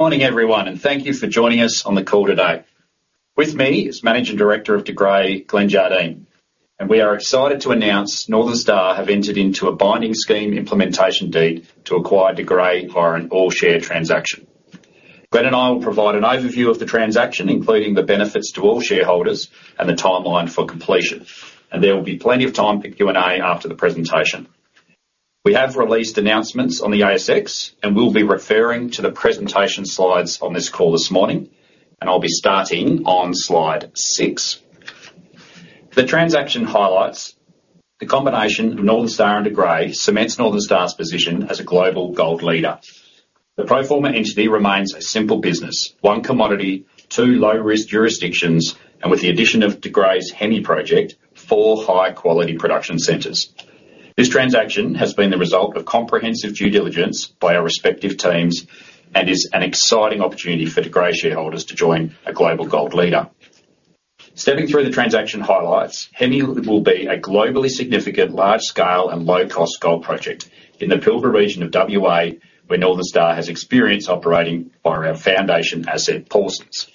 Morning, everyone, and thank you for joining us on the call today. With me is Managing Director of De Grey, Glenn Jardine, and we are excited to announce Northern Star have entered into a binding Scheme Implementation Deed to acquire De Grey via an all-share transaction. Glenn and I will provide an overview of the transaction, including the benefits to all shareholders and the timeline for completion, and there will be plenty of time for Q&A after the presentation. We have released announcements on the ASX and will be referring to the presentation slides on this call this morning, and I'll be starting on slide six. The transaction highlights the combination of Northern Star and De Grey cements Northern Star's position as a global gold leader. The pro forma entity remains a simple business: one commodity, two low-risk jurisdictions, and with the addition of De Grey's Hemi project, four high-quality production centers. This transaction has been the result of comprehensive due diligence by our respective teams and is an exciting opportunity for De Grey shareholders to join a global gold leader. Stepping through the transaction highlights, Hemi will be a globally significant, large-scale, and low-cost gold project in the Pilbara region of WA, where Northern Star has experience operating via our foundation asset, Paulsens.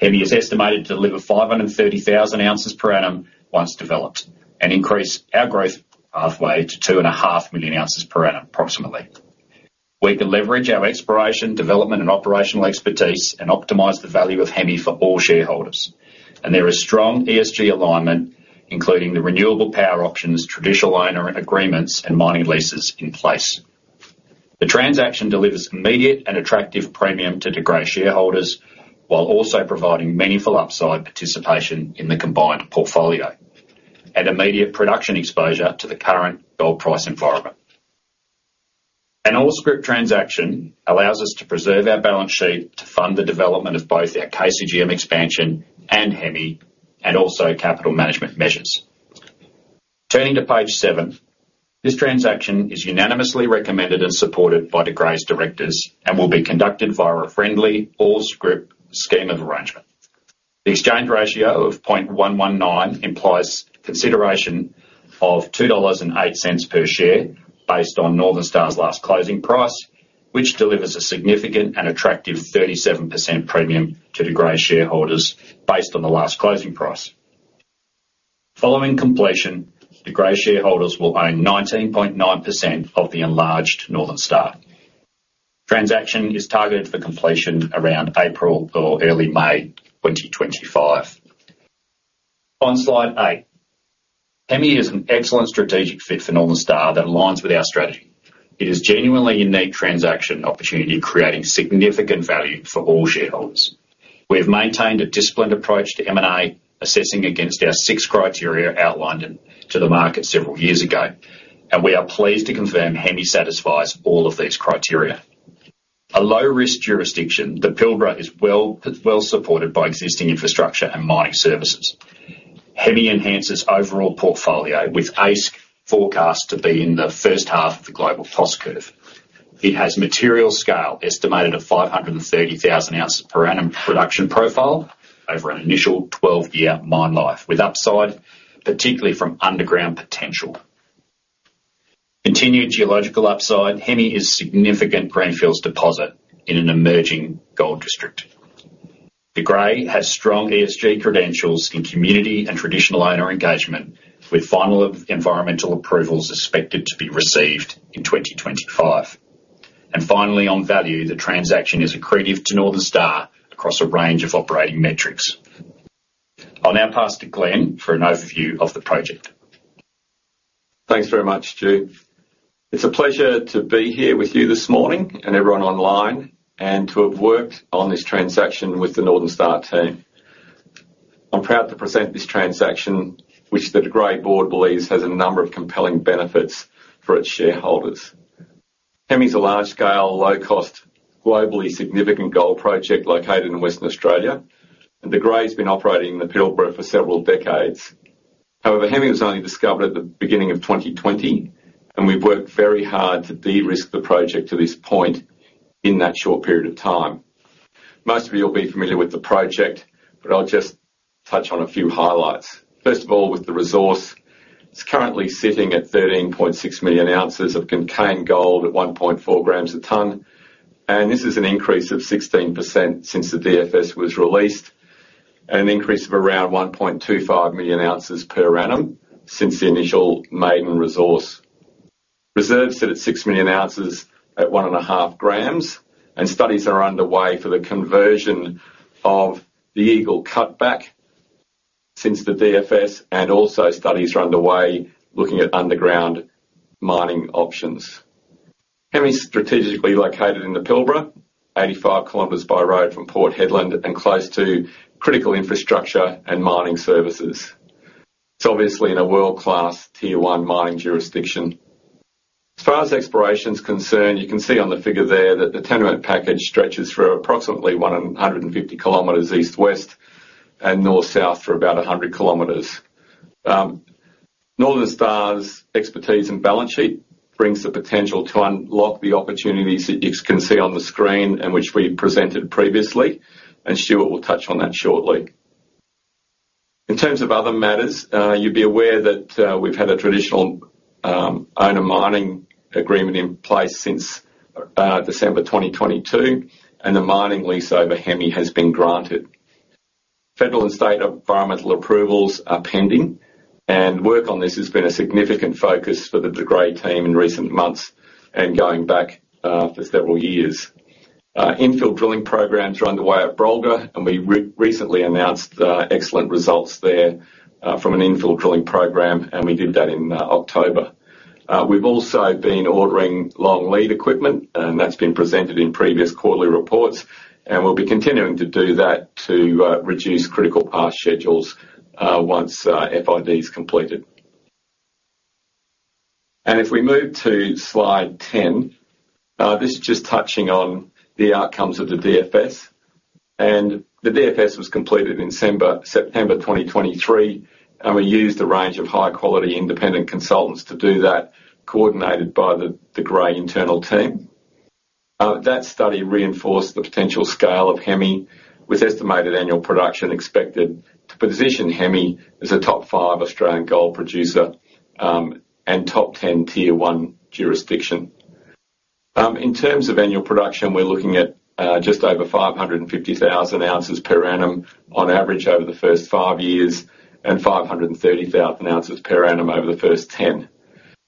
Hemi is estimated to deliver 530,000 ounces per annum once developed and increase our growth pathway to 2.5 million ounces per annum approximately. We can leverage our exploration, development, and operational expertise and optimize the value of Hemi for all shareholders, and there is strong ESG alignment, including the renewable power options, Traditional Owner agreements, and mining leases in place. The transaction delivers immediate and attractive premium to De Grey shareholders while also providing meaningful upside participation in the combined portfolio and immediate production exposure to the current gold price environment. An all-scrip transaction allows us to preserve our balance sheet to fund the development of both our KCGM expansion and Hemi, and also capital management measures. Turning to Page seven, this transaction is unanimously recommended and supported by De Grey's directors and will be conducted via a friendly all-scrip scheme of arrangement. The exchange ratio of 0.119 implies consideration of 2.08 dollars per share based on Northern Star's last closing price, which delivers a significant and attractive 37% premium to De Grey shareholders based on the last closing price. Following completion, De Grey shareholders will own 19.9% of the enlarged Northern Star. The transaction is targeted for completion around April or early May 2025. On Slide eight, Hemi is an excellent strategic fit for Northern Star that aligns with our strategy. It is genuinely a unique transaction opportunity, creating significant value for all shareholders. We have maintained a disciplined approach to M&A, assessing against our six criteria outlined to the market several years ago, and we are pleased to confirm Hemi satisfies all of these criteria. A low-risk jurisdiction, the Pilbara is well supported by existing infrastructure and mining services. Hemi enhances overall portfolio with AISC forecast to be in the first half of the global cost curve. It has material scale estimated at 530,000 ounces per annum production profile over an initial 12-year mine life with upside, particularly from underground potential. Continued geological upside. Hemi is significant greenfield deposit in an emerging gold district. De Grey has strong ESG credentials in community and Traditional Owner engagement, with final environmental approvals expected to be received in 2025. Finally, on value, the transaction is accretive to Northern Star across a range of operating metrics. I'll now pass to Glenn for an overview of the project. Thanks very much, Stuart. It's a pleasure to be here with you this morning and everyone online and to have worked on this transaction with the Northern Star team. I'm proud to present this transaction, which the De Grey board believes has a number of compelling benefits for its shareholders. Hemi is a large-scale, low-cost, globally significant gold project located in Western Australia, and De Grey has been operating in the Pilbara for several decades. However, Hemi was only discovered at the beginning of 2020, and we've worked very hard to de-risk the project to this point in that short period of time. Most of you will be familiar with the project, but I'll just touch on a few highlights. First of all, with the resource, it's currently sitting at 13.6 million ounces of contained gold at 1.4 grams a tonne, and this is an increase of 16% since the DFS was released, and an increase of around 1.25 million ounces per annum since the initial maiden resource. Reserves sit at six million ounces at one and a half grams, and studies are underway for the conversion of the Eagle cutback since the DFS, and also studies are underway looking at underground mining options. Hemi is strategically located in the Pilbara, 85 km by road from Port Hedland and close to critical infrastructure and mining services. It's obviously in a world-class Tier 1 mining jurisdiction. As far as exploration is concerned, you can see on the figure there that the tenure package stretches for approximately 150 km east-west and north-south for about 100 km. Northern Star's expertise and balance sheet brings the potential to unlock the opportunities that you can see on the screen and which we presented previously, and Stuart will touch on that shortly. In terms of other matters, you'll be aware that we've had a Traditional Owner mining agreement in place since December 2022, and the mining lease over Hemi has been granted. Federal and state environmental approvals are pending, and work on this has been a significant focus for the De Grey team in recent months and going back for several years. Infill drilling programs are underway at Brolga, and we recently announced excellent results there from an infill drilling program, and we did that in October. We've also been ordering long lead equipment, and that's been presented in previous quarterly reports, and we'll be continuing to do that to reduce critical path schedules once FID is completed. If we move to Slide 10, this is just touching on the outcomes of the DFS, and the DFS was completed in September 2023, and we used a range of high-quality independent consultants to do that, coordinated by the De Grey internal team. That study reinforced the potential scale of Hemi, with estimated annual production expected to position Hemi as a top five Australian gold producer and top 10 Tier 1 jurisdiction. In terms of annual production, we're looking at just over 550,000 ounces per annum on average over the first five years and 530,000 ounces per annum over the first 10.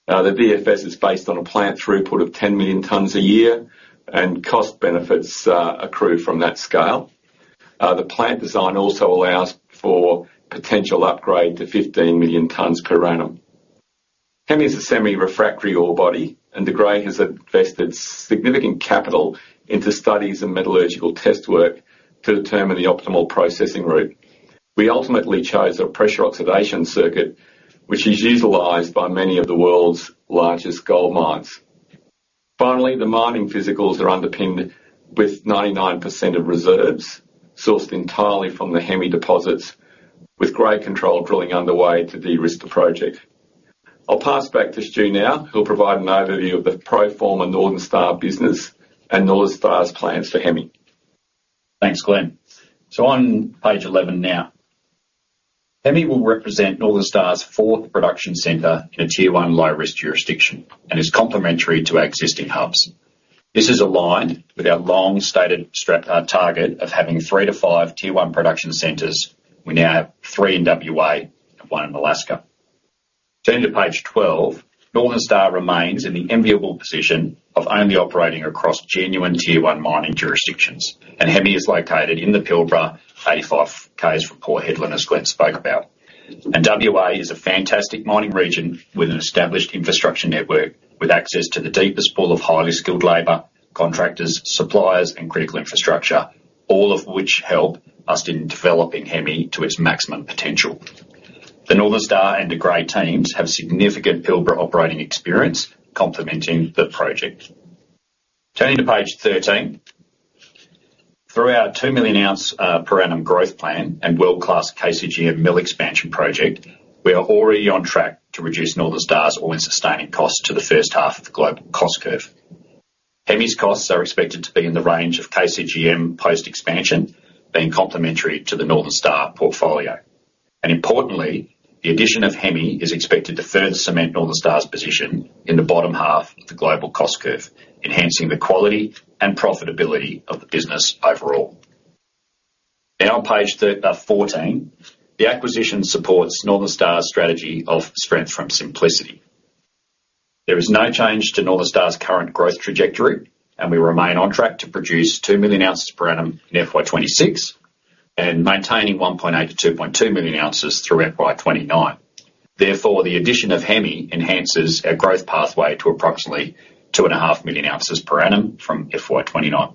The DFS is based on a plant throughput of 10 million tonnes a year, and cost benefits accrue from that scale. The plant design also allows for potential upgrade to 15 million tonnes per annum. Hemi is a semi-refractory ore body, and De Grey has invested significant capital into studies and metallurgical test work to determine the optimal processing route. We ultimately chose a pressure oxidation circuit, which is utilized by many of the world's largest gold mines. Finally, the mining physicals are underpinned with 99% of reserves sourced entirely from the Hemi deposits, with grade control drilling underway to de-risk the project. I'll pass back to Stu now. He'll provide an overview of the pro forma Northern Star business and Northern Star's plans for Hemi. Thanks, Glenn. So on Page 11 now, Hemi will represent Northern Star's fourth production center in a Tier 1 low-risk jurisdiction and is complementary to our existing hubs. This is aligned with our long-stated target of having three to five Tier 1 production centers. We now have three in WA and one in Alaska. Turning to Page 12, Northern Star remains in the enviable position of only operating across genuine Tier 1 mining jurisdictions, and Hemi is located in the Pilbara, 85 km from Port Hedland, as Glenn spoke about. And WA is a fantastic mining region with an established infrastructure network with access to the deepest pool of highly skilled labor, contractors, suppliers, and critical infrastructure, all of which help us in developing Hemi to its maximum potential. The Northern Star and De Grey teams have significant Pilbara operating experience complementing the project. Turning to Page 13, through our two million ounces per annum growth plan and world-class KCGM Mill Expansion project, we are already on track to reduce Northern Star's all-in sustaining costs to the first half of the global cost curve. Hemi's costs are expected to be in the range of KCGM post-expansion, being complementary to the Northern Star portfolio, and importantly, the addition of Hemi is expected to further cement Northern Star's position in the bottom half of the global cost curve, enhancing the quality and profitability of the business overall. Now on Page 14, the acquisition supports Northern Star's strategy of strength from simplicity. There is no change to Northern Star's current growth trajectory, and we remain on track to produce two million ounces per annum in FY 2026 and maintaining 1.8 million-2.2 million ounces through FY 2029. Therefore, the addition of Hemi enhances our growth pathway to approximately 2.5 million ounces per annum from FY 2029.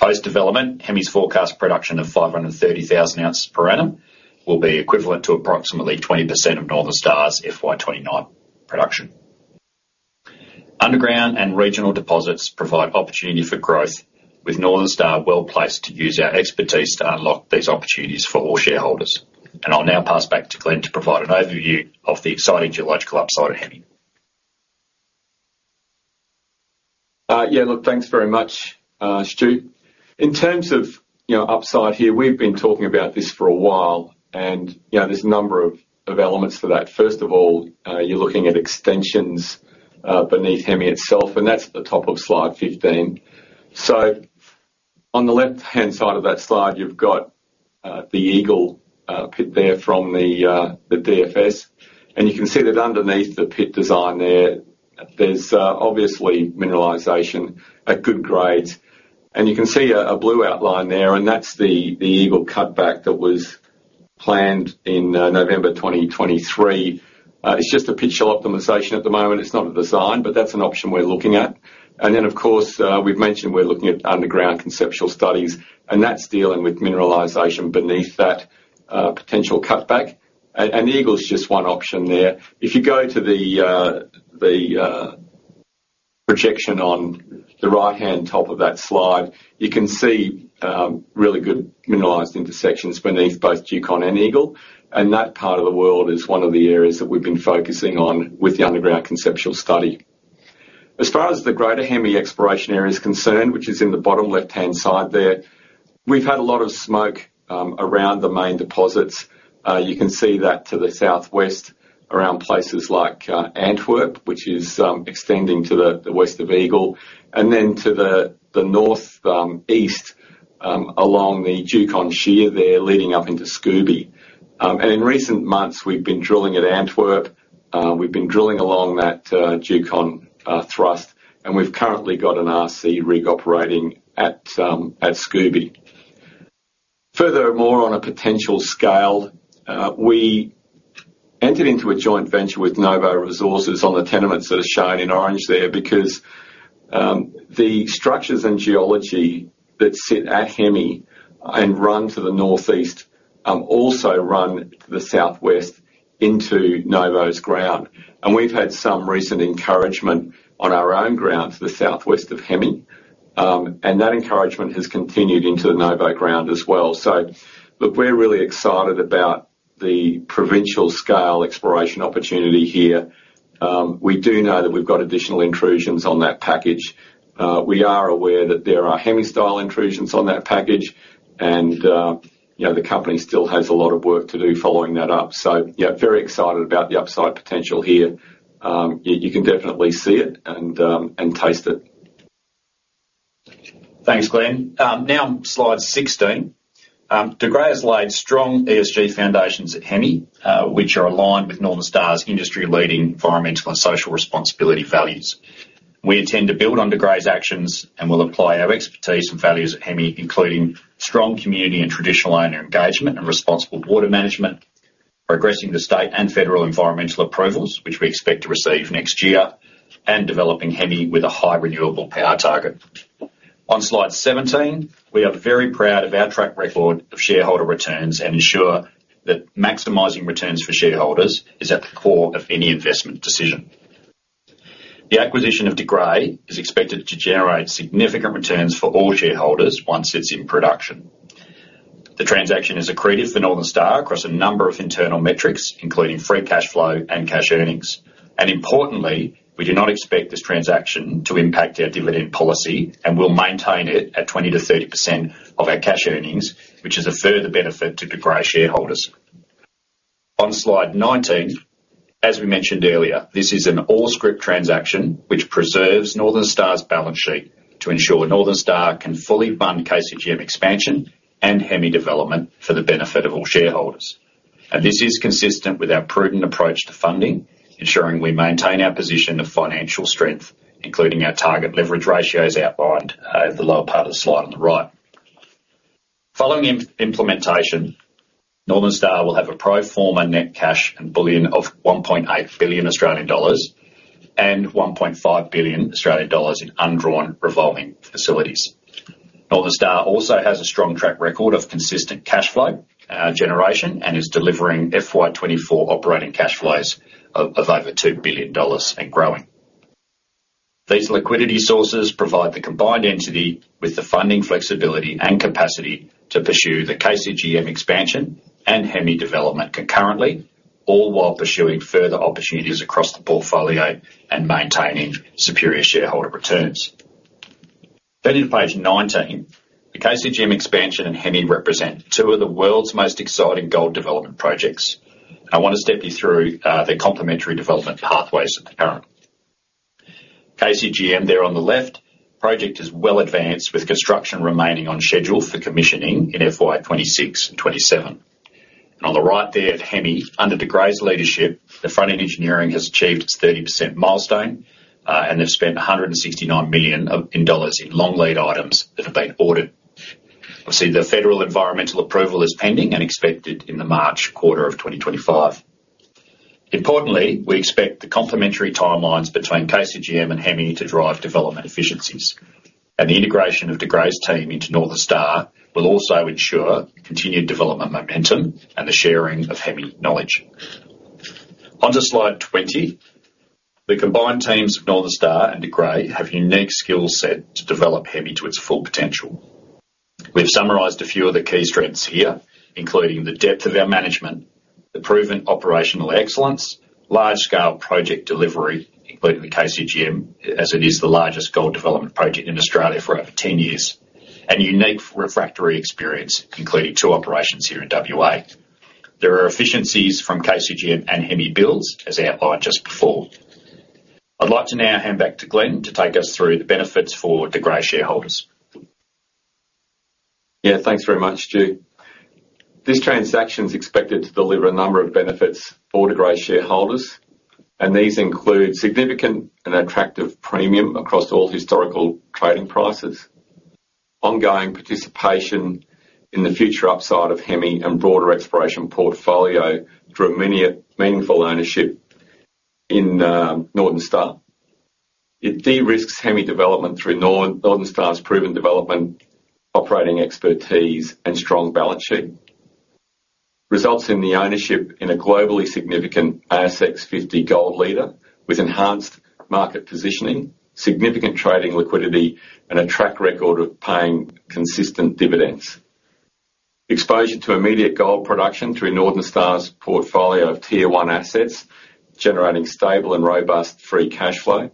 Post-development, Hemi's forecast production of 530,000 ounces per annum will be equivalent to approximately 20% of Northern Star's FY 2029 production. Underground and regional deposits provide opportunity for growth, with Northern Star well placed to use our expertise to unlock these opportunities for all shareholders, and I'll now pass back to Glenn to provide an overview of the exciting geological upside of Hemi. Yeah, look, thanks very much, Stu. In terms of upside here, we've been talking about this for a while, and there's a number of elements for that. First of all, you're looking at extensions beneath Hemi itself, and that's at the top of Slide 15. So on the left-hand side of that slide, you've got the Eagle pit there from the DFS, and you can see that underneath the pit design there, there's obviously mineralization at good grades. And you can see a blue outline there, and that's the Eagle cutback that was planned in November 2023. It's just a pit optimization at the moment. It's not a design, but that's an option we're looking at. And then, of course, we've mentioned we're looking at underground conceptual studies, and that's dealing with mineralization beneath that potential cutback. And the Eagle's just one option there. If you go to the projection on the right-hand top of that slide, you can see really good mineralized intersections beneath both Diucon and Eagle, and that part of the world is one of the areas that we've been focusing on with the underground conceptual study. As far as the greater Hemi exploration area is concerned, which is in the bottom left-hand side there, we've had a lot of smoke around the main deposits. You can see that to the southwest around places like Antwerp, which is extending to the west of Eagle, and then to the northeast along the Diucon shear there leading up into Scooby, and in recent months, we've been drilling at Antwerp. We've been drilling along that Diucon thrust, and we've currently got an RC rig operating at Scooby. Furthermore, on a potential scale, we entered into a joint venture with Novo Resources on the tenements that are shown in orange there because the structures and geology that sit at Hemi and run to the northeast also run to the southwest into Novo's ground. We've had some recent encouragement on our own ground to the southwest of Hemi, and that encouragement has continued into the Novo ground as well. Look, we're really excited about the provincial scale exploration opportunity here. We do know that we've got additional intrusions on that package. We are aware that there are Hemi-style intrusions on that package, and the company still has a lot of work to do following that up. Yeah, very excited about the upside potential here. You can definitely see it and taste it. Thanks, Glenn. Now on Slide 16, De Grey has laid strong ESG foundations at Hemi, which are aligned with Northern Star's industry-leading environmental and social responsibility values. We intend to build on De Grey's actions and will apply our expertise and values at Hemi, including strong community and Traditional Owner engagement and responsible water management, progressing the state and federal environmental approvals, which we expect to receive next year, and developing Hemi with a high renewable power target. On Slide 17, we are very proud of our track record of shareholder returns and ensure that maximizing returns for shareholders is at the core of any investment decision. The acquisition of De Grey is expected to generate significant returns for all shareholders once it's in production. The transaction is accretive for Northern Star across a number of internal metrics, including free cash flow and cash earnings. Importantly, we do not expect this transaction to impact our dividend policy and will maintain it at 20%-30% of our cash earnings, which is a further benefit to De Grey shareholders. On Slide 19, as we mentioned earlier, this is an all-scrip transaction which preserves Northern Star's balance sheet to ensure Northern Star can fully fund KCGM expansion and Hemi development for the benefit of all shareholders. This is consistent with our prudent approach to funding, ensuring we maintain our position of financial strength, including our target leverage ratios outlined at the lower part of the slide on the right. Following implementation, Northern Star will have a pro forma net cash and bullion of 1.8 billion Australian dollars and 1.5 billion Australian dollars in undrawn revolving facilities. Northern Star also has a strong track record of consistent cash flow generation and is delivering FY 2024 operating cash flows of over 2 billion dollars and growing. These liquidity sources provide the combined entity with the funding flexibility and capacity to pursue the KCGM expansion and Hemi development concurrently, all while pursuing further opportunities across the portfolio and maintaining superior shareholder returns. Turning to Page 19, the KCGM expansion and Hemi represent two of the world's most exciting gold development projects. I want to step you through the complementary development pathways at the current KCGM there on the left. The project is well advanced, with construction remaining on schedule for commissioning in FY 2026 and 2027. On the right there of Hemi, under De Grey's leadership, the front-end engineering has achieved its 30% milestone, and they've spent 169 million dollars in long lead items that have been ordered. Obviously, the federal environmental approval is pending and expected in the March quarter of 2025. Importantly, we expect the complementary timelines between KCGM and Hemi to drive development efficiencies, and the integration of De Grey's team into Northern Star will also ensure continued development momentum and the sharing of Hemi knowledge. Onto Slide 20, the combined teams of Northern Star and De Grey have a unique skill set to develop Hemi to its full potential. We've summarized a few of the key strengths here, including the depth of our management, the proven operational excellence, large-scale project delivery, including the KCGM, as it is the largest gold development project in Australia for over 10 years, and unique refractory experience, including two operations here in WA. There are efficiencies from KCGM and Hemi builds, as outlined just before. I'd like to now hand back to Glenn to take us through the benefits for De Grey shareholders. Yeah, thanks very much, Stu. This transaction is expected to deliver a number of benefits for De Grey shareholders, and these include significant and attractive premium across all historical trading prices, ongoing participation in the future upside of Hemi, and broader exploration portfolio through meaningful ownership in Northern Star. It de-risks Hemi development through Northern Star's proven development, operating expertise, and strong balance sheet. Resulting in the ownership in a globally significant ASX 50 gold leader with enhanced market positioning, significant trading liquidity, and a track record of paying consistent dividends. Exposure to immediate gold production through Northern Star's portfolio of Tier 1 assets, generating stable and robust free cash flow.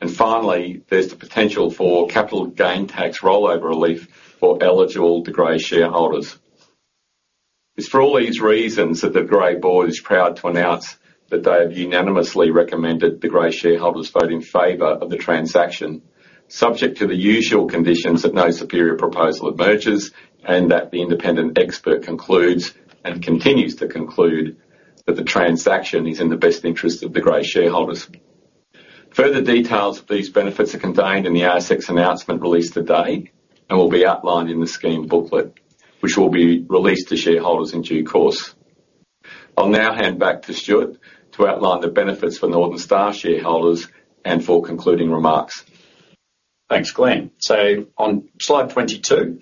And finally, there's the potential for capital gains tax rollover relief for eligible De Grey shareholders. It's for all these reasons that the De Grey Board is proud to announce that they have unanimously recommended De Grey shareholders vote in favor of the transaction, subject to the usual conditions that no superior proposal emerges and that the independent expert concludes and continues to conclude that the transaction is in the best interest of De Grey shareholders. Further details of these benefits are contained in the ASX announcement released today and will be outlined in the scheme booklet, which will be released to shareholders in due course. I'll now hand back to Stuart to outline the benefits for Northern Star shareholders and for concluding remarks. Thanks, Glenn. So on Slide 22,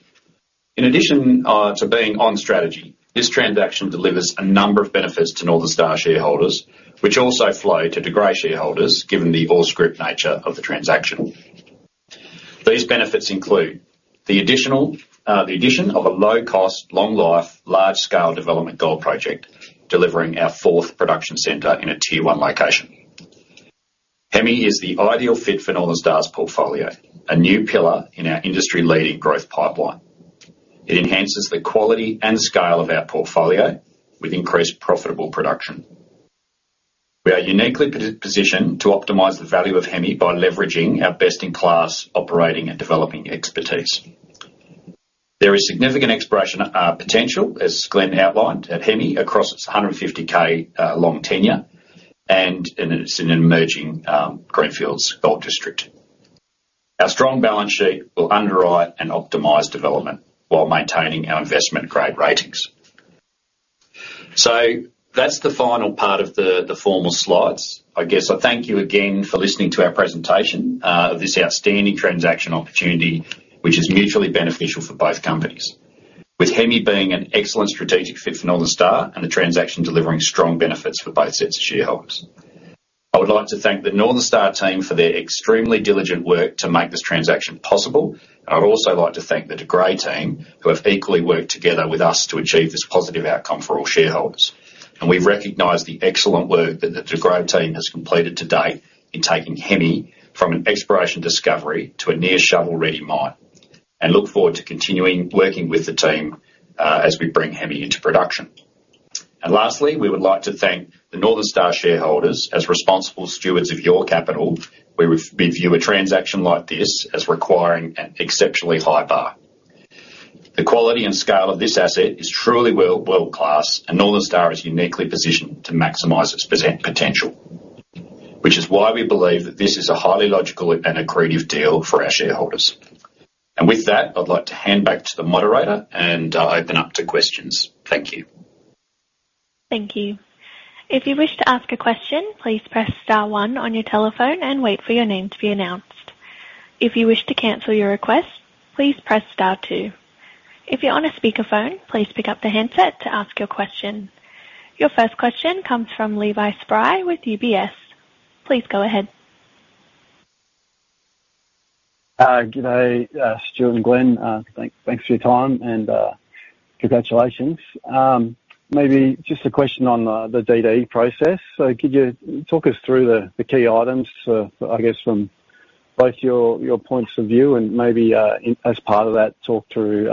in addition to being on strategy, this transaction delivers a number of benefits to Northern Star shareholders, which also flow to De Grey shareholders given the all-scrip nature of the transaction. These benefits include the addition of a low-cost, long-life, large-scale development gold project delivering our fourth production center in a Tier 1 location. Hemi is the ideal fit for Northern Star's portfolio, a new pillar in our industry-leading growth pipeline. It enhances the quality and scale of our portfolio with increased profitable production. We are uniquely positioned to optimize the value of Hemi by leveraging our best-in-class operating and developing expertise. There is significant exploration potential, as Glenn outlined, at Hemi across its 150K long tenure, and it's an emerging greenfields gold district. Our strong balance sheet will underwrite and optimize development while maintaining our investment-grade ratings. So that's the final part of the formal slides. I guess I thank you again for listening to our presentation of this outstanding transaction opportunity, which is mutually beneficial for both companies, with Hemi being an excellent strategic fit for Northern Star and the transaction delivering strong benefits for both sets of shareholders. I would like to thank the Northern Star team for their extremely diligent work to make this transaction possible. I'd also like to thank the De Grey team who have equally worked together with us to achieve this positive outcome for all shareholders. And we recognize the excellent work that the De Grey team has completed to date in taking Hemi from an exploration discovery to a near-shovel-ready mine, and look forward to continuing working with the team as we bring Hemi into production. And lastly, we would like to thank the Northern Star shareholders as responsible stewards of your capital with a transaction like this as requiring an exceptionally high bar. The quality and scale of this asset is truly world-class, and Northern Star is uniquely positioned to maximize its potential, which is why we believe that this is a highly logical and accretive deal for our shareholders. With that, I'd like to hand back to the moderator and open up to questions. Thank you. Thank you. If you wish to ask a question, please press star one on your telephone and wait for your name to be announced. If you wish to cancel your request, please press star two. If you're on a speakerphone, please pick up the handset to ask your question. Your first question comes from Levi Spry with UBS. Please go ahead. Good day, Stuart and Glenn. Thanks for your time and congratulations. Maybe just a question on the DD process. So could you talk us through the key items, I guess, from both your points of view and maybe as part of that, talk through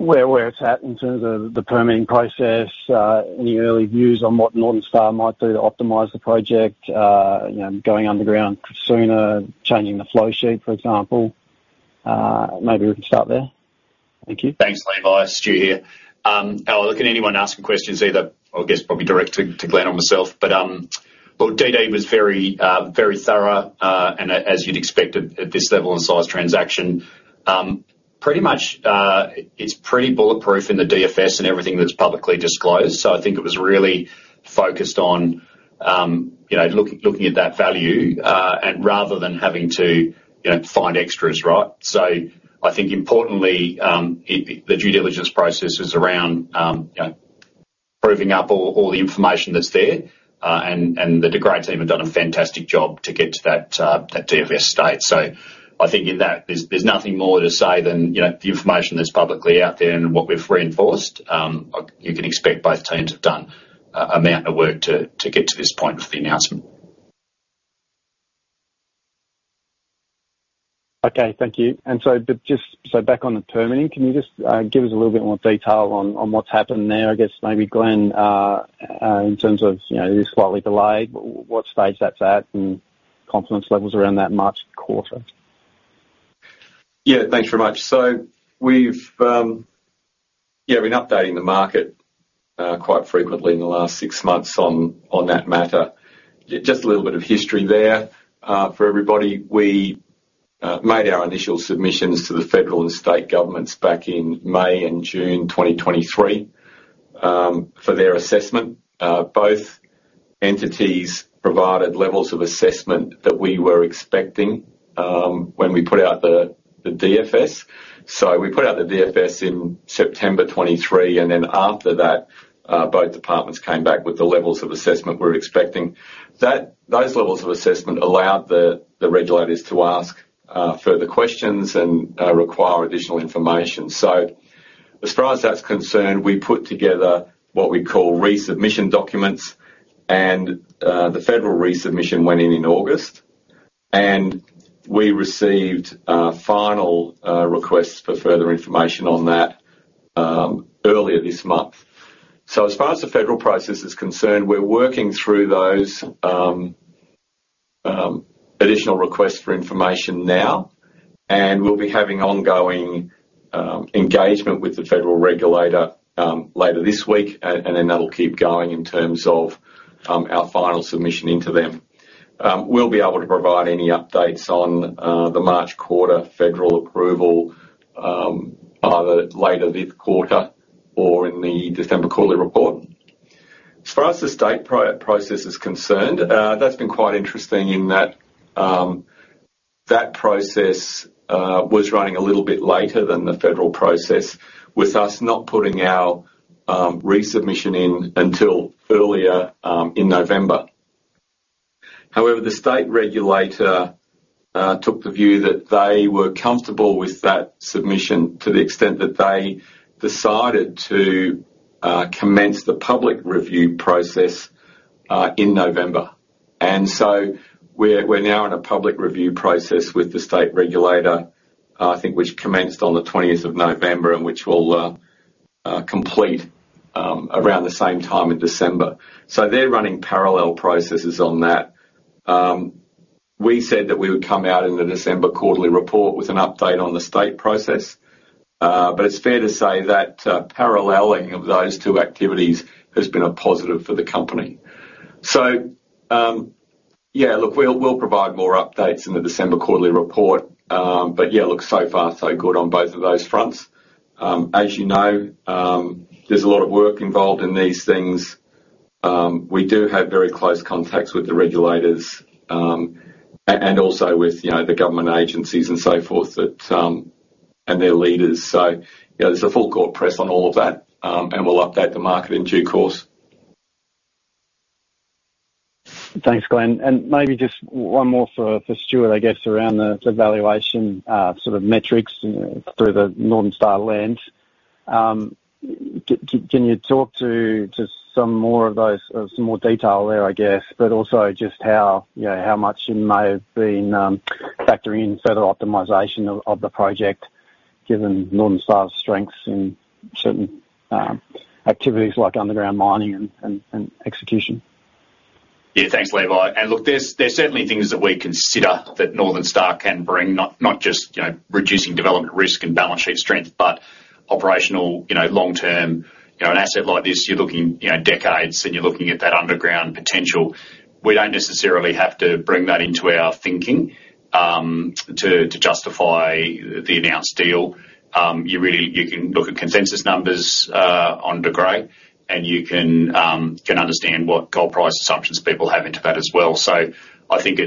where it's at in terms of the permitting process, any early views on what Northern Star might do to optimize the project, going underground sooner, changing the flow sheet, for example? Maybe we can start there. Thank you. Thanks, Levi. Stu here. I'll direct anyone asking questions either, I guess, probably to Glenn or myself. But DD was very thorough, and as you'd expect at this level and size transaction, pretty much it's pretty bulletproof in the DFS and everything that's publicly disclosed. So I think it was really focused on looking at that value rather than having to find extras, right? So I think importantly, the due diligence process is around proving up all the information that's there, and the De Grey team have done a fantastic job to get to that DFS state. So I think in that, there's nothing more to say than the information that's publicly out there and what we've reinforced. You can expect both teams have done an amount of work to get to this point of the announcement. Okay, thank you. And so back on the permitting, can you just give us a little bit more detail on what's happened there? I guess maybe Glenn, in terms of this slightly delayed, what stage that's at and confidence levels around that March quarter? Yeah, thanks very much. So we've been updating the market quite frequently in the last six months on that matter. Just a little bit of history there for everybody. We made our initial submissions to the federal and state governments back in May and June 2023 for their assessment. Both entities provided levels of assessment that we were expecting when we put out the DFS. So we put out the DFS in September 2023, and then after that, both departments came back with the levels of assessment we were expecting. Those levels of assessment allowed the regulators to ask further questions and require additional information. So as far as that's concerned, we put together what we call resubmission documents, and the federal resubmission went in in August, and we received final requests for further information on that earlier this month. As far as the federal process is concerned, we're working through those additional requests for information now, and we'll be having ongoing engagement with the federal regulator later this week, and then that'll keep going in terms of our final submission into them. We'll be able to provide any updates on the March quarter federal approval either later this quarter or in the December quarter report. As far as the state process is concerned, that's been quite interesting in that that process was running a little bit later than the federal process with us not putting our resubmission in until earlier in November. However, the state regulator took the view that they were comfortable with that submission to the extent that they decided to commence the public review process in November. We're now in a public review process with the state regulator, I think, which commenced on the 20th of November and which we'll complete around the same time in December. So they're running parallel processes on that. We said that we would come out in the December quarterly report with an update on the state process, but it's fair to say that paralleling of those two activities has been a positive for the company. So yeah, look, we'll provide more updates in the December quarterly report, but yeah, look, so far, so good on both of those fronts. As you know, there's a lot of work involved in these things. We do have very close contacts with the regulators and also with the government agencies and so forth and their leaders. So there's a full court press on all of that, and we'll update the market in due course. Thanks, Glenn. And maybe just one more for Stuart, I guess, around the valuation sort of metrics through the Northern Star lens. Can you talk to some more of those, some more detail there, I guess, but also just how much it may have been factoring in further optimization of the project given Northern Star's strengths in certain activities like underground mining and execution? Yeah, thanks, Levi. And look, there's certainly things that we consider that Northern Star can bring, not just reducing development risk and balance sheet strength, but operational long-term. An asset like this, you're looking decades, and you're looking at that underground potential. We don't necessarily have to bring that into our thinking to justify the announced deal. You can look at consensus numbers on De Grey, and you can understand what gold price assumptions people have into that as well. So I think, yeah,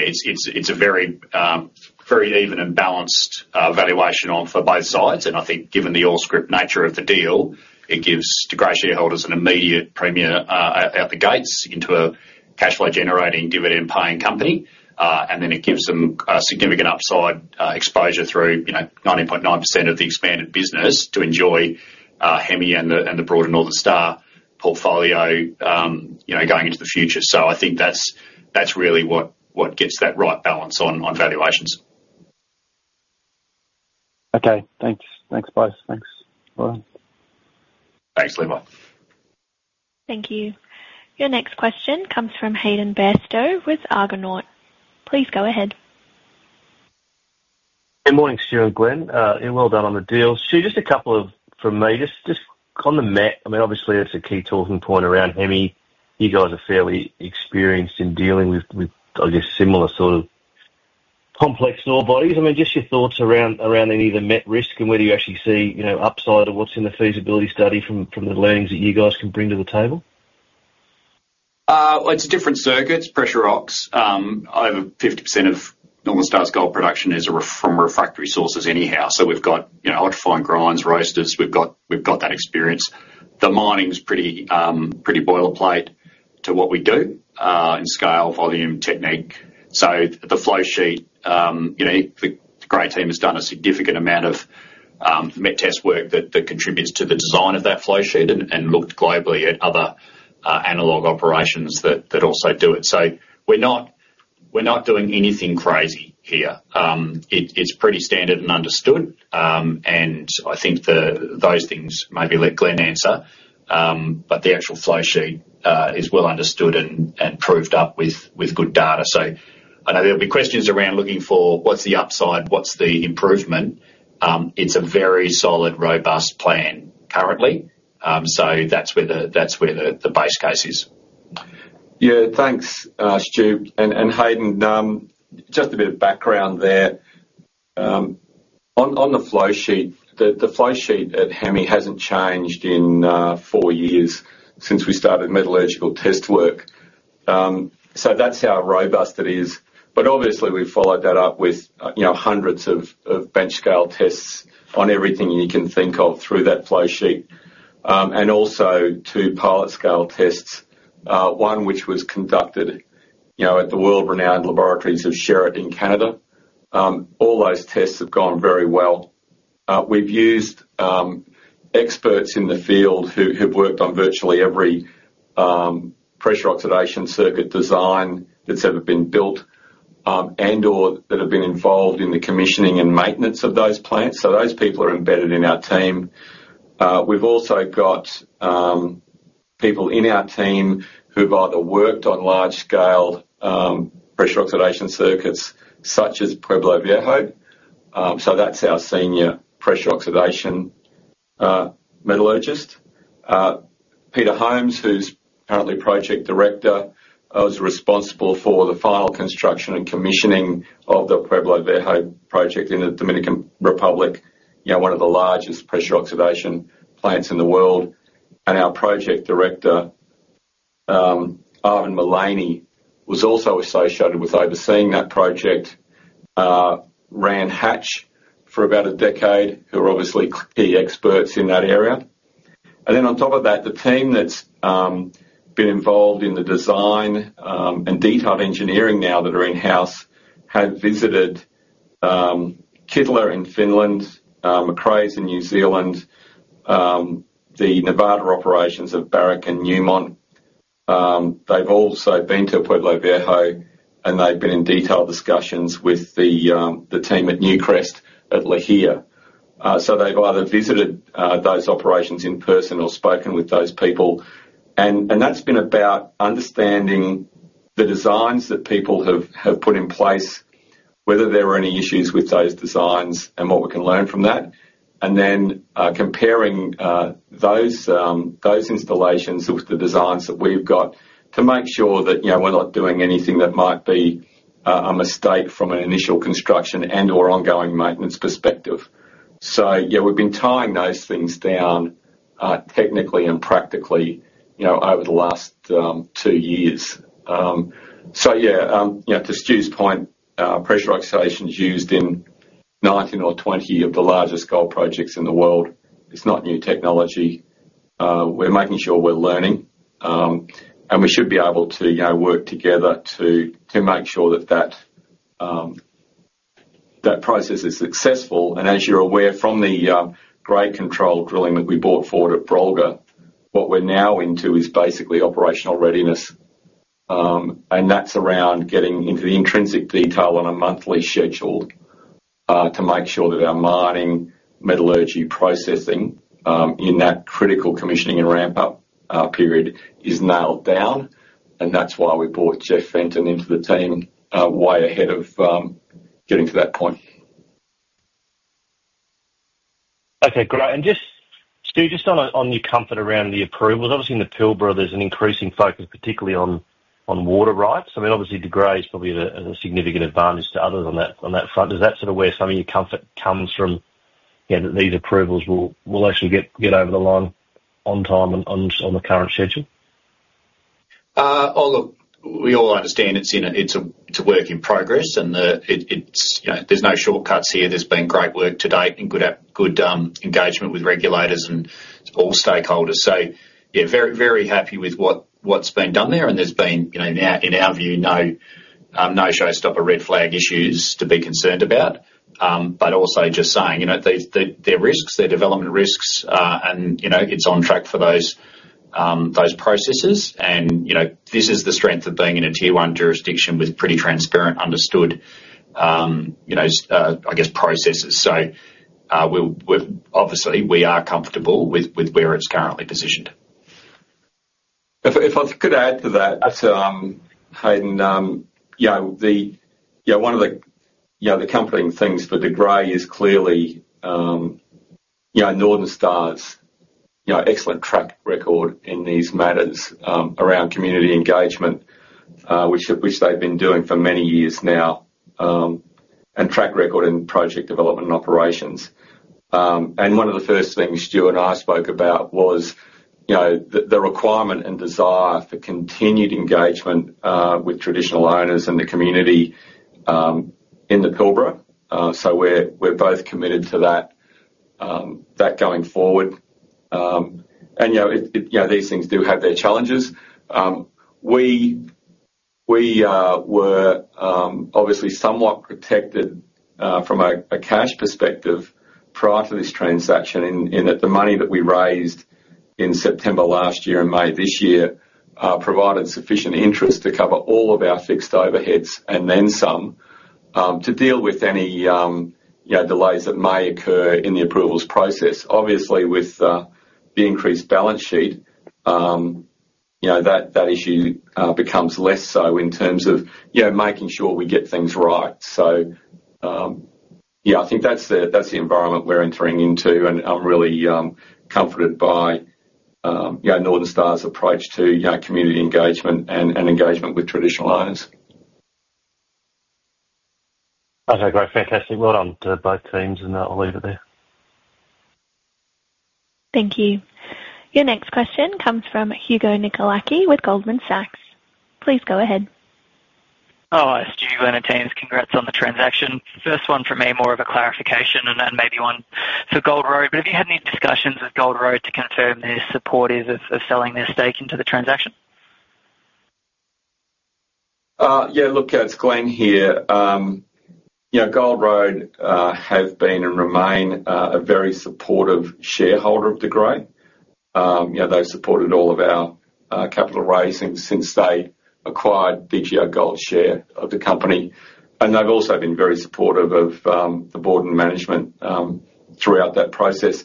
it's a very even and balanced valuation for both sides. And I think given the all-scrip nature of the deal, it gives De Grey shareholders an immediate premier out the gates into a cash flow-generating, dividend-paying company. And then it gives them significant upside exposure through 19.9% of the expanded business to enjoy Hemi and the broader Northern Star portfolio going into the future. So I think that's really what gets that right balance on valuations. Okay, thanks. Thanks, both. Thanks, Glenn. Thanks, Levi. Thank you. Your next question comes from Hayden Bairstow with Argonaut. Please go ahead. Good morning, Stuart and Glenn. Well done on the deal. Stuart, just a couple from me. Just on the met, I mean, obviously, it's a key talking point around Hemi. You guys are fairly experienced in dealing with, I guess, similar sort of complex ore bodies. I mean, just your thoughts around any of the met risk and whether you actually see upside or what's in the feasibility study from the learnings that you guys can bring to the table? It's a different circuit. It's pressure ox. Over 50% of Northern Star's gold production is from refractory sources anyhow. So we've got leaching, grinding, roasters. We've got that experience. The mining's pretty boilerplate to what we do in scale, volume, technique. So the flow sheet, the great team has done a significant amount of met test work that contributes to the design of that flow sheet and looked globally at other analog operations that also do it. So we're not doing anything crazy here. It's pretty standard and understood. And I think those things. Maybe let Glenn answer, but the actual flow sheet is well understood and proved up with good data. So I know there'll be questions around looking for what's the upside, what's the improvement. It's a very solid, robust plan currently. So that's where the base case is. Yeah, thanks, Stuart. And Hayden, just a bit of background there. On the flow sheet, the flow sheet at Hemi hasn't changed in four years since we started metallurgical test work. So that's how robust it is. But obviously, we've followed that up with hundreds of bench scale tests on everything you can think of through that flow sheet and also two pilot scale tests, one which was conducted at the world-renowned laboratories of Sherritt in Canada. All those tests have gone very well. We've used experts in the field who've worked on virtually every pressure oxidation circuit design that's ever been built and/or that have been involved in the commissioning and maintenance of those plants. So those people are embedded in our team. We've also got people in our team who've either worked on large-scale pressure oxidation circuits such as Pueblo Viejo. So that's our senior pressure oxidation metallurgist. Peter Holmes, who's currently Project Director, was responsible for the final construction and commissioning of the Pueblo Viejo project in the Dominican Republic, one of the largest pressure oxidation plants in the world, and our Project Director, Ivan Mullany, was also associated with overseeing that project, ran Hatch for about a decade, who are obviously key experts in that area, and then on top of that, the team that's been involved in the design and detailed engineering now that are in-house have visited Kittila in Finland, Macraes in New Zealand, the Nevada operations of Barrick and Newmont. They've also been to Pueblo Viejo, and they've been in detailed discussions with the team at Newcrest at Lihir, so they've either visited those operations in person or spoken with those people. That's been about understanding the designs that people have put in place, whether there are any issues with those designs and what we can learn from that, and then comparing those installations with the designs that we've got to make sure that we're not doing anything that might be a mistake from an initial construction and/or ongoing maintenance perspective. Yeah, we've been tying those things down technically and practically over the last two years. Yeah, to Stu's point, pressure oxidation is used in 19 or 20 of the largest gold projects in the world. It's not new technology. We're making sure we're learning, and we should be able to work together to make sure that that process is successful. As you're aware, from the grade control drilling that we bought for it at Brolga, what we're now into is basically operational readiness. That's around getting into the intrinsic detail on a monthly schedule to make sure that our mining, metallurgy processing in that critical commissioning and ramp-up period is nailed down. That's why we brought Jeff Fenton into the team way ahead of getting to that point. Okay, great. Stuart, just on your comfort around the approvals, obviously in the Pilbara, there's an increasing focus, particularly on water rights. I mean, obviously, De Grey's probably at a significant advantage to others on that front. Is that sort of where some of your comfort comes from, that these approvals will actually get over the line on time and on the current schedule? Look, we all understand it's a work in progress, and there's no shortcuts here. There's been great work to date and good engagement with regulators and all stakeholders. Yeah, very happy with what's been done there. There's been, in our view, no showstopper, red flag issues to be concerned about, but also just saying there are risks, there are development risks, and it's on track for those processes. This is the strength of being in a Tier 1 jurisdiction with pretty transparent, understood, I guess, processes. Obviously, we are comfortable with where it's currently positioned. If I could add to that, Hayden, yeah, one of the compelling things for De Grey is clearly Northern Star's excellent track record in these matters around community engagement, which they've been doing for many years now, and track record in project development operations. And one of the first things Stu and I spoke about was the requirement and desire for continued engagement with Traditional Owners and the community in the Pilbara. So we're both committed to that going forward. And these things do have their challenges. We were obviously somewhat protected from a cash perspective prior to this transaction in that the money that we raised in September last year and May this year provided sufficient interest to cover all of our fixed overheads and then some to deal with any delays that may occur in the approvals process. Obviously, with the increased balance sheet, that issue becomes less so in terms of making sure we get things right. So yeah, I think that's the environment we're entering into, and I'm really comforted by Northern Star's approach to community engagement and engagement with Traditional Owners. Okay, great. Fantastic. Well done to both teams, and I'll leave it there. Thank you. Your next question comes from Hugo Nicolaci with Goldman Sachs. Please go ahead. Hi, Stu and Hayden. Congrats on the transaction. First one for me, more of a clarification and then maybe one for Gold Road. But have you had any discussions with Gold Road to confirm their support of selling their stake into the transaction? Yeah, look, it's Glenn here. Gold Road have been and remain a very supportive shareholder of De Grey. They've supported all of our capital raising since they acquired DGO Gold share of the company. And they've also been very supportive of the board and management throughout that process.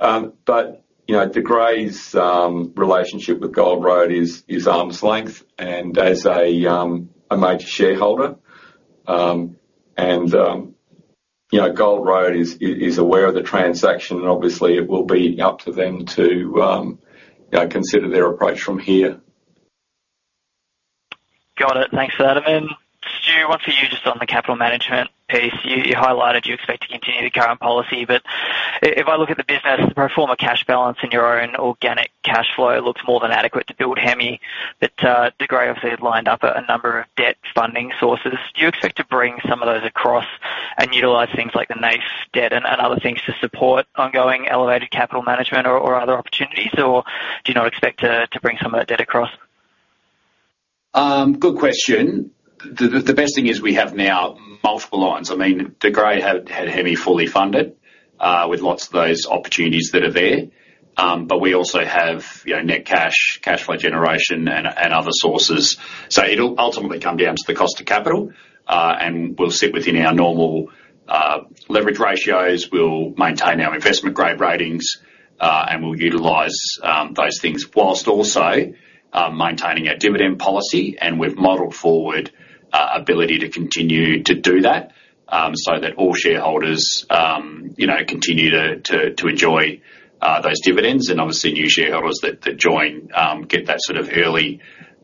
But De Grey's relationship with Gold Road is arm's length and as a major shareholder. And Gold Road is aware of the transaction, and obviously, it will be up to them to consider their approach from here. Got it. Thanks for that. And then, Stuart, once again, you just on the capital management piece, you highlighted you expect to continue the current policy. But if I look at the business, the pro forma cash balance in your own organic cash flow looks more than adequate to build Hemi. But De Grey obviously has lined up a number of debt funding sources. Do you expect to bring some of those across and utilize things like the NAIF debt and other things to support ongoing elevated capital management or other opportunities, or do you not expect to bring some of that debt across? Good question. The best thing is we have now multiple lines. I mean, De Grey had Hemi fully funded with lots of those opportunities that are there. But we also have net cash, cash flow generation, and other sources. So it'll ultimately come down to the cost of capital. And we'll sit within our normal leverage ratios. We'll maintain our investment grade ratings, and we'll utilize those things whilst also maintaining our dividend policy. And we've modeled forward our ability to continue to do that so that all shareholders continue to enjoy those dividends. And obviously, new shareholders that join get that sort of early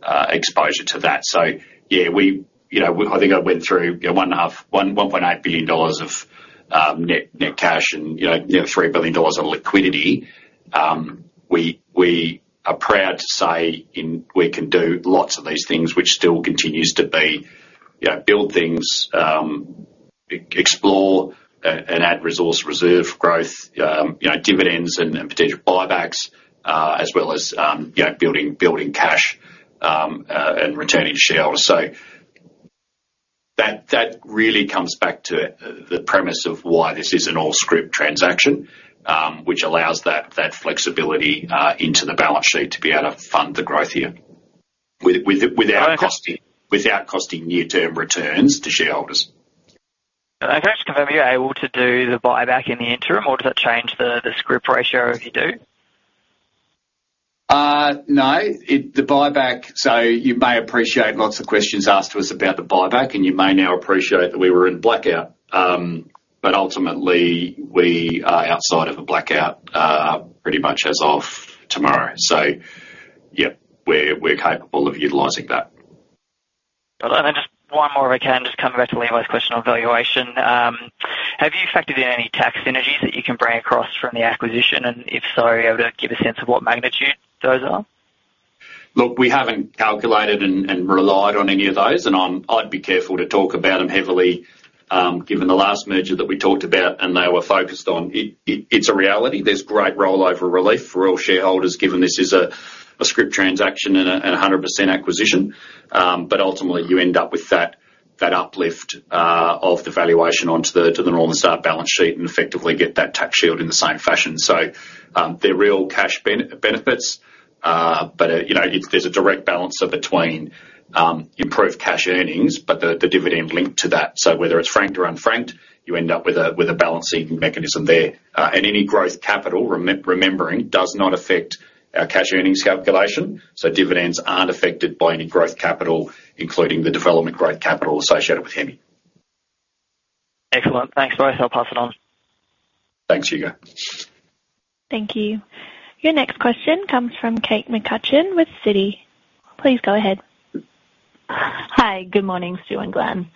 exposure to that. So yeah, I think I went through 1.8 billion dollars of net cash and 3 billion dollars of liquidity. We are proud to say we can do lots of these things, which still continues to be build things, explore, and add resource reserve growth, dividends, and potential buybacks, as well as building cash and retaining shareholders, so that really comes back to the premise of why this is an all-scrip transaction, which allows that flexibility into the balance sheet to be able to fund the growth here without costing near-term returns to shareholders. Okay. So can you be able to do the buyback in the interim, or does that change the scrip ratio if you do? No. So you may appreciate lots of questions asked to us about the buyback, and you may now appreciate that we were in blackout. But ultimately, we are outside of a blackout pretty much as of tomorrow. So yeah, we're capable of utilizing that. Got it. And then just one more if I can, just coming back to Levi's question on valuation. Have you factored in any tax synergies that you can bring across from the acquisition? And if so, are you able to give a sense of what magnitude those are? Look, we haven't calculated and relied on any of those. And I'd be careful to talk about them heavily given the last merger that we talked about and they were focused on. It's a reality. There's great rollover relief for all shareholders given this is a scrip transaction and 100% acquisition. But ultimately, you end up with that uplift of the valuation onto the Northern Star balance sheet and effectively get that tax shield in the same fashion. So there are real cash benefits, but there's a direct balance between improved cash earnings, but the dividend linked to that. So whether it's franked or unfranked, you end up with a balancing mechanism there. And any growth capital, remembering, does not affect our cash earnings calculation. So dividends aren't affected by any growth capital, including the development growth capital associated with Hemi. Excellent. Thanks, both. I'll pass it on. Thanks, Hugo. Thank you. Your next question comes from Kate McCutcheon with Citi. Please go ahead. Hi, good morning, Stu and Glenn.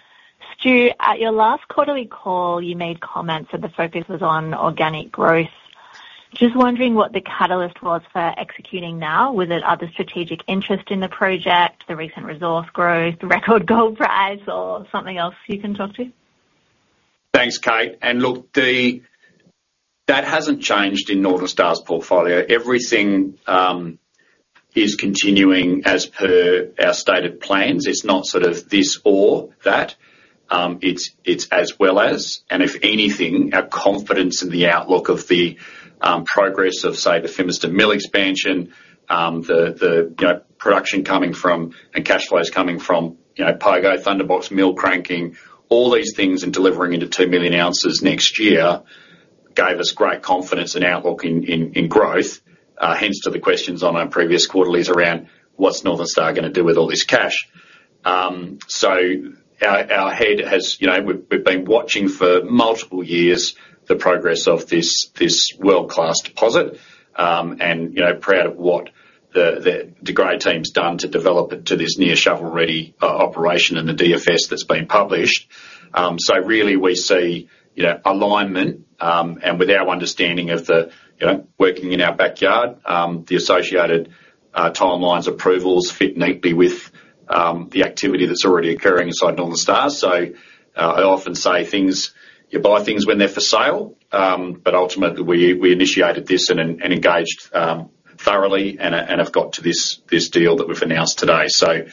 Stu, at your last quarterly call, you made comments that the focus was on organic growth. Just wondering what the catalyst was for executing now. Was it other strategic interest in the project, the recent resource growth, the record gold price, or something else you can talk to? Thanks, Kate. And look, that hasn't changed in Northern Star's portfolio. Everything is continuing as per our stated plans. It's not sort of this or that. It's as well as. And if anything, our confidence in the outlook of the progress of, say, the Fimiston Mill expansion, the production coming from and cash flows coming from Pogo, Thunderbox Mill cranking, all these things and delivering into two million ounces next year gave us great confidence and outlook in growth. Hence, to the questions on our previous quarterlies around what's Northern Star going to do with all this cash. So, as we've been watching for multiple years the progress of this world-class deposit and proud of what the De Grey team's done to develop it to this near shovel-ready operation and the DFS that's been published. So really, we see alignment. And with our understanding of the workings in our backyard, the associated timelines, approvals fit neatly with the activity that's already occurring inside Northern Star. So I often say, you buy things when they're for sale. But ultimately, we initiated this and engaged thoroughly and have got to this deal that we've announced today. So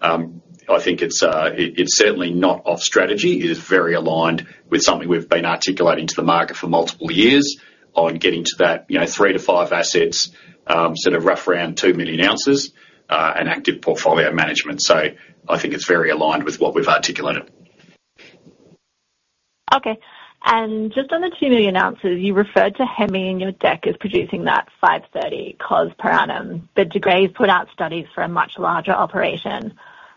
I think it's certainly not off strategy. It is very aligned with something we've been articulating to the market for multiple years on getting to that three to five assets, sort of roughly around two million ounces, and active portfolio management. So I think it's very aligned with what we've articulated. Okay. And just on the two million ounces, you referred to Hemi in your deck as producing that 530 cost per annum. But De Grey has put out studies for a much larger operation.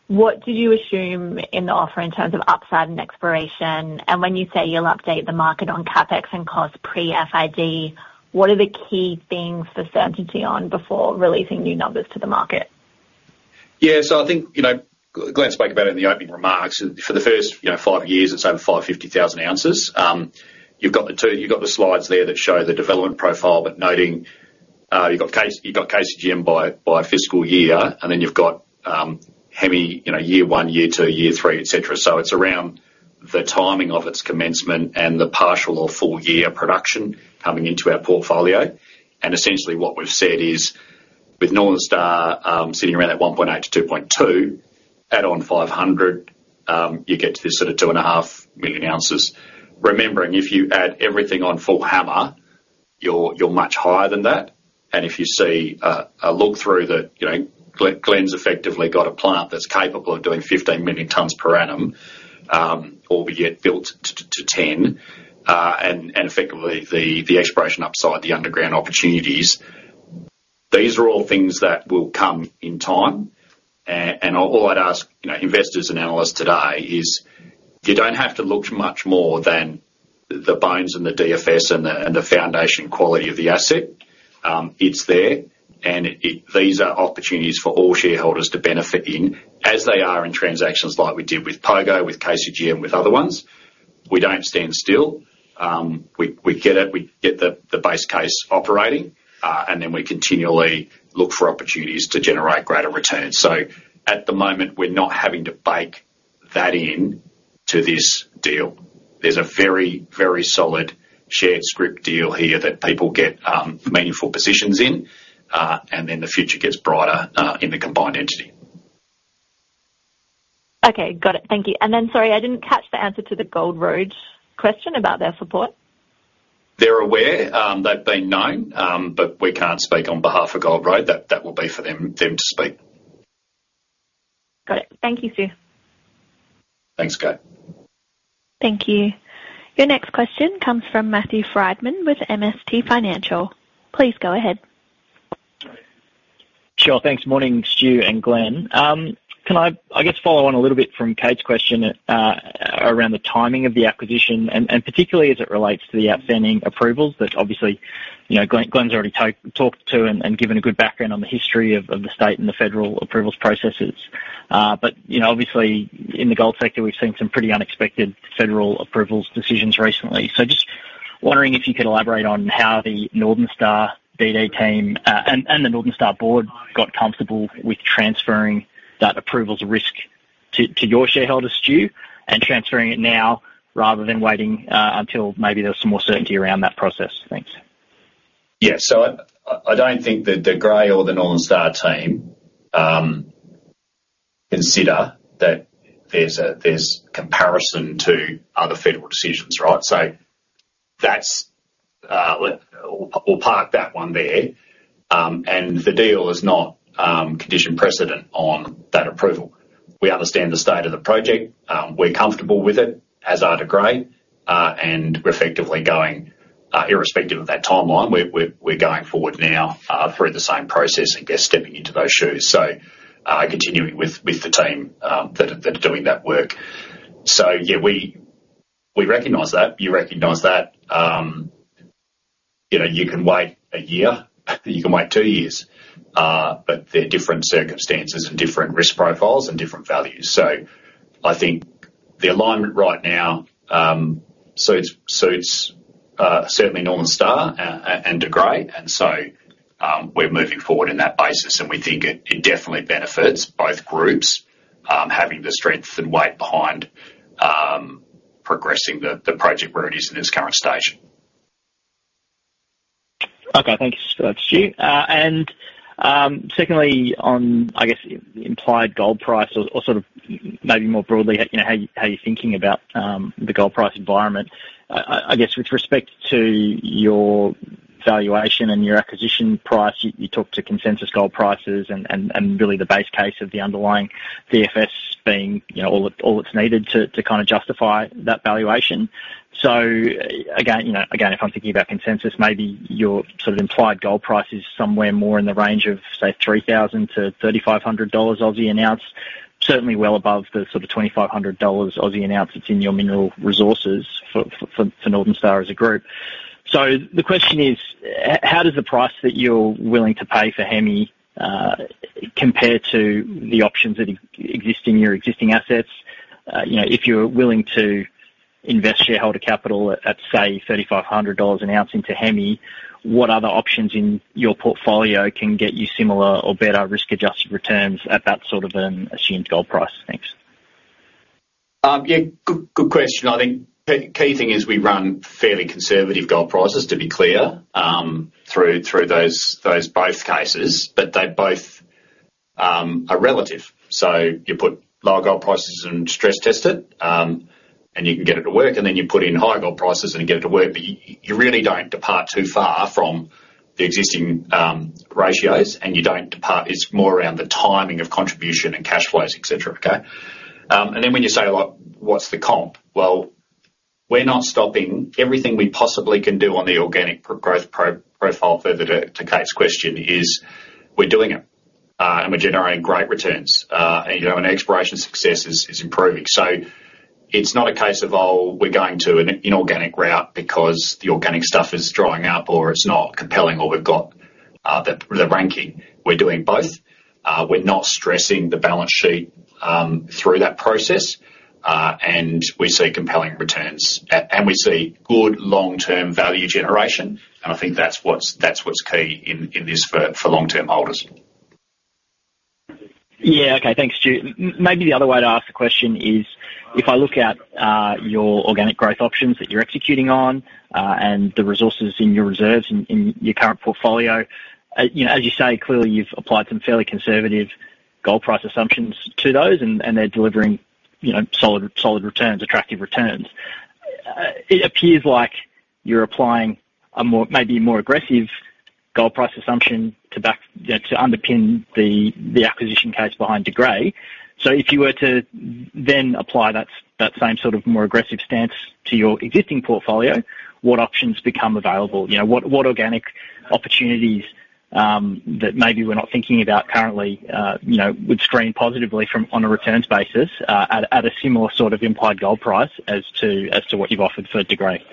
What did you assume in the offer in terms of upside and exploration? And when you say you'll update the market on CapEx and cost pre-FID, what are the key things for certainty on before releasing new numbers to the market? Yeah. So I think Glenn spoke about it in the opening remarks. For the first five years, it's over 550,000 ounces. You've got the slides there that show the development profile, but noting you've got KCGM by fiscal year, and then you've got Hemi year one, year two, year three, etc. So it's around the timing of its commencement and the partial or full year production coming into our portfolio. And essentially, what we've said is with Northern Star sitting around at 1.8-2.2, add on 500, you get to this sort of 2.5 million ounces. Remembering, if you add everything on full Hemi, you're much higher than that. If you take a look through that, Glenn's effectively got a plant that's capable of doing 15 million tons per annum, already built to 10, and effectively the expansion upside, the underground opportunities. These are all things that will come in time, and all I'd ask investors and analysts today is you don't have to look much more than the bones and the DFS and the foundation quality of the asset. It's there, and these are opportunities for all shareholders to benefit from as they arise in transactions like we did with Pogo, with KCGM, with other ones. We don't stand still. We get it. We get the base case operating, and then we continually look for opportunities to generate greater returns, so at the moment, we're not having to bake that into this deal. There's a very, very solid all-scrip deal here that people get meaningful positions in, and then the future gets brighter in the combined entity. Okay. Got it. Thank you. And then sorry, I didn't catch the answer to the Gold Road question about their support. They're aware. They've been known. But we can't speak on behalf of Gold Road. That will be for them to speak. Got it. Thank you, Stu. Thanks, Kate. Thank you. Your next question comes from Matthew Frydman with MST Financial. Please go ahead. Sure. Thanks. Morning, Stu and Glenn. Can I, I guess, follow on a little bit from Kate's question around the timing of the acquisition and particularly as it relates to the outstanding approvals that obviously Glenn's already talked to and given a good background on the history of the state and the federal approvals processes. But obviously, in the gold sector, we've seen some pretty unexpected federal approvals decisions recently. So just wondering if you could elaborate on how the Northern Star BD team and the Northern Star board got comfortable with transferring that approvals risk to your shareholders, Stu, and transferring it now rather than waiting until maybe there's some more certainty around that process. Thanks. Yeah. So I don't think that De Grey or the Northern Star team consider that there's comparison to other federal decisions, right? So we'll park that one there. And the deal is not condition precedent on that approval. We understand the state of the project. We're comfortable with it as are De Grey. And we're effectively going, irrespective of that timeline, we're going forward now through the same process and just stepping into those shoes. So continuing with the team that are doing that work. So yeah, we recognize that. You recognize that. You can wait a year. You can wait two years. But they're different circumstances and different risk profiles and different values. So I think the alignment right now suits certainly Northern Star and De Grey. And so we're moving forward on that basis. We think it definitely benefits both groups having the strength and weight behind progressing the project where it is in its current stage. Okay. Thanks, Stu. And secondly, on, I guess, implied gold price or sort of maybe more broadly, how you're thinking about the gold price environment, I guess with respect to your valuation and your acquisition price, you talked to consensus gold prices and really the base case of the underlying DFS being all it's needed to kind of justify that valuation. So again, if I'm thinking about consensus, maybe your sort of implied gold price is somewhere more in the range of, say, 3,000-3,500 dollars an ounce, certainly well above the sort of 2,500 Aussie dollars an ounce that's in your mineral resources for Northern Star as a group. So the question is, how does the price that you're willing to pay for Hemi compare to the options that exist in your existing assets? If you're willing to invest shareholder capital at, say, 3,500 dollars an ounce into Hemi, what other options in your portfolio can get you similar or better risk-adjusted returns at that sort of an assumed gold price? Thanks. Yeah. Good question. I think the key thing is we run fairly conservative gold prices, to be clear, through those both cases. But they both are relative. So you put low gold prices and stress test it, and you can get it to work. And then you put in high gold prices and get it to work. But you really don't depart too far from the existing ratios. And you don't depart. It's more around the timing of contribution and cash flows, etc. Okay? And then when you say, "What's the comp?" Well, we're not stopping. Everything we possibly can do on the organic growth profile, further to Kate's question, is we're doing it. And we're generating great returns. And exploration success is improving. So it's not a case of, "Oh, we're going to an inorganic route because the organic stuff is drying up or it's not compelling or we've got the ranking." We're doing both. We're not stressing the balance sheet through that process. And we see compelling returns. And we see good long-term value generation. And I think that's what's key in this for long-term holders. Yeah. Okay. Thanks, Stu. Maybe the other way to ask the question is, if I look at your organic growth options that you're executing on and the resources in your reserves in your current portfolio, as you say, clearly, you've applied some fairly conservative gold price assumptions to those, and they're delivering solid returns, attractive returns. It appears like you're applying maybe a more aggressive gold price assumption to underpin the acquisition case behind De Grey. So if you were to then apply that same sort of more aggressive stance to your existing portfolio, what options become available? What organic opportunities that maybe we're not thinking about currently would screen positively on a returns basis at a similar sort of implied gold price as to what you've offered for De Grey?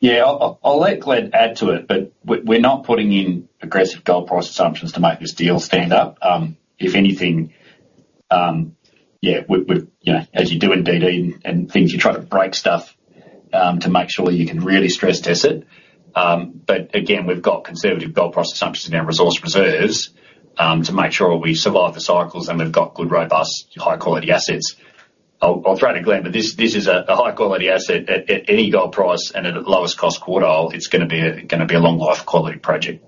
Yeah. I'll let Glenn add to it. We're not putting in aggressive gold price assumptions to make this deal stand up. If anything, yeah, as you do in BD and things, you try to break stuff to make sure you can really stress test it. We've got conservative gold price assumptions in our resource reserves to make sure we survive the cycles. We've got good, robust, high-quality assets. I'll throw to Glenn. This is a high-quality asset at any gold price and at its lowest cost quartile. It's going to be a long-life quality project.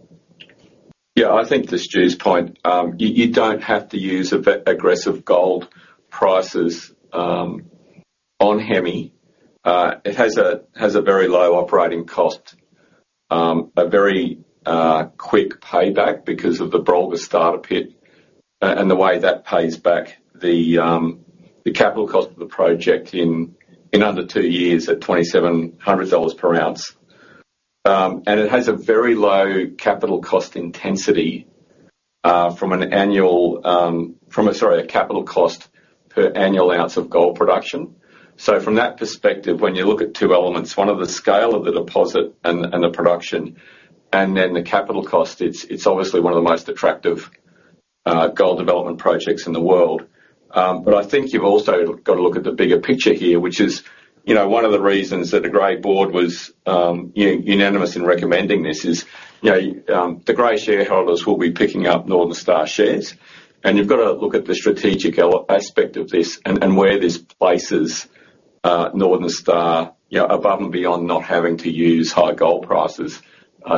Yeah. I think to Stu's point, you don't have to use aggressive gold prices on Hemi. It has a very low operating cost, a very quick payback because of the Brolga Starter Pit, and the way that pays back the capital cost of the project in under two years at 2,700 dollars per ounce. And it has a very low capital cost intensity from an annual sorry, a capital cost per annual ounce of gold production. So from that perspective, when you look at two elements, one of the scale of the deposit and the production and then the capital cost, it's obviously one of the most attractive gold development projects in the world. But I think you've also got to look at the bigger picture here, which is one of the reasons that De Grey board was unanimous in recommending this, as De Grey shareholders will be picking up Northern Star shares. And you've got to look at the strategic aspect of this and where this places Northern Star above and beyond not having to use high gold prices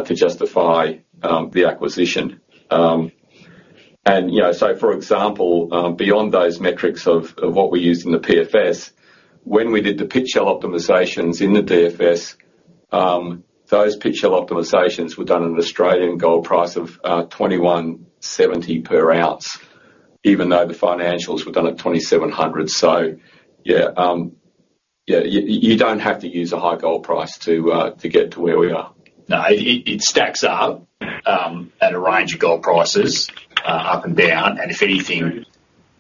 to justify the acquisition. And so, for example, beyond those metrics of what we used in the PFS, when we did the pit shell optimizations in the DFS, those pit shell optimizations were done at an Australian gold price of 2,170 per ounce, even though the financials were done at 2,700. So yeah, you don't have to use a high gold price to get to where we are. No. It stacks up at a range of gold prices up and down. And if anything,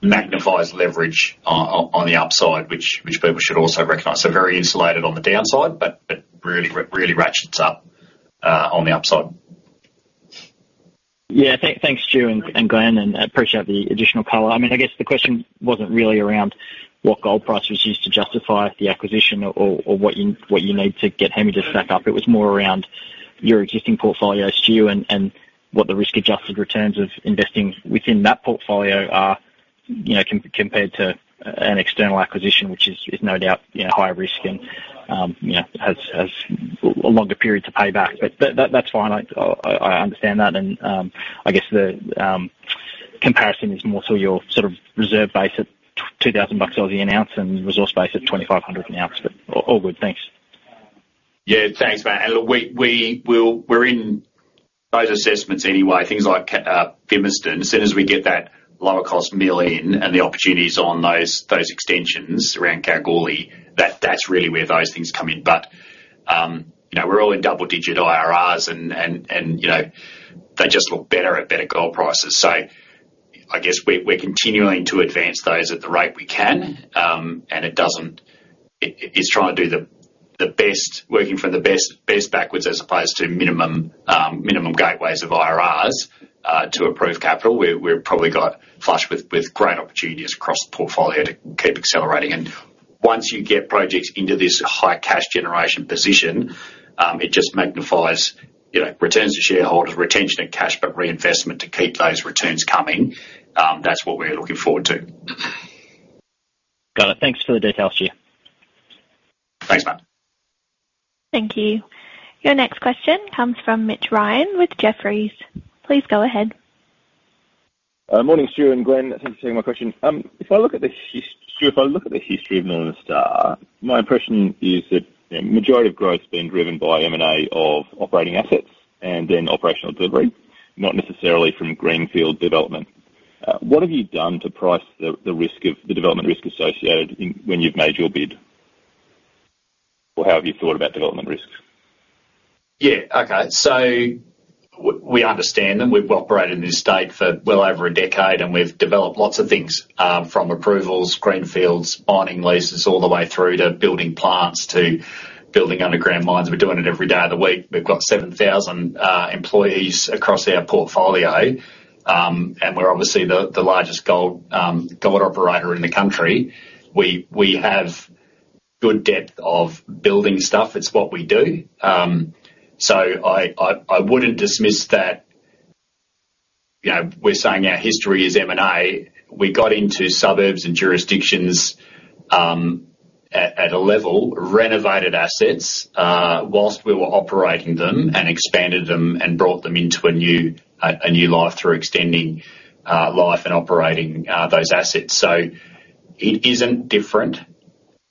magnifies leverage on the upside, which people should also recognize. So very insulated on the downside, but really ratchets up on the upside. Yeah. Thanks, Stu and Glenn. And I appreciate the additional color. I mean, I guess the question wasn't really around what gold price was used to justify the acquisition or what you need to get Hemi to stack up. It was more around your existing portfolio, Stu, and what the risk-adjusted returns of investing within that portfolio are compared to an external acquisition, which is no doubt higher risk and has a longer period to pay back. But that's fine. I understand that. And I guess the comparison is more so your sort of reserve base at 2,000 bucks an ounce and resource base at 2,500 an ounce. But all good. Thanks. Yeah. Thanks, Matt, and we're in those assessments anyway. Things like Fimiston, as soon as we get that lower cost mill in and the opportunities on those extensions around Kalgoorlie, that's really where those things come in. But we're all in double-digit IRRs, and they just look better at better gold prices, so I guess we're continuing to advance those at the rate we can, and it's trying to do the best, working from the best backwards as opposed to minimum gateways of IRRs to approve capital. We've probably got flush with great opportunities across the portfolio to keep accelerating, and once you get projects into this high cash generation position, it just magnifies returns to shareholders, retention of cash, but reinvestment to keep those returns coming. That's what we're looking forward to. Got it. Thanks for the details, Stu. Thanks, Matt. Thank you. Your next question comes from Mitch Ryan with Jefferies. Please go ahead. Morning, Stu and Glenn. Thanks for taking my question. If I look at the history of Northern Star, my impression is that the majority of growth has been driven by M&A of operating assets and then operational delivery, not necessarily from greenfield development. What have you done to price the risk of the development risk associated when you've made your bid? Or how have you thought about development risks? Yeah. Okay. So we understand them. We've operated in this state for well over a decade, and we've developed lots of things from approvals, greenfields, mining leases, all the way through to building plants to building underground mines. We're doing it every day of the week. We've got 7,000 employees across our portfolio, and we're obviously the largest gold operator in the country. We have good depth of building stuff. It's what we do. So I wouldn't dismiss that we're saying our history is M&A. We got into suburbs and jurisdictions at a level, renovated assets while we were operating them and expanded them and brought them into a new life through extending life and operating those assets. So it isn't different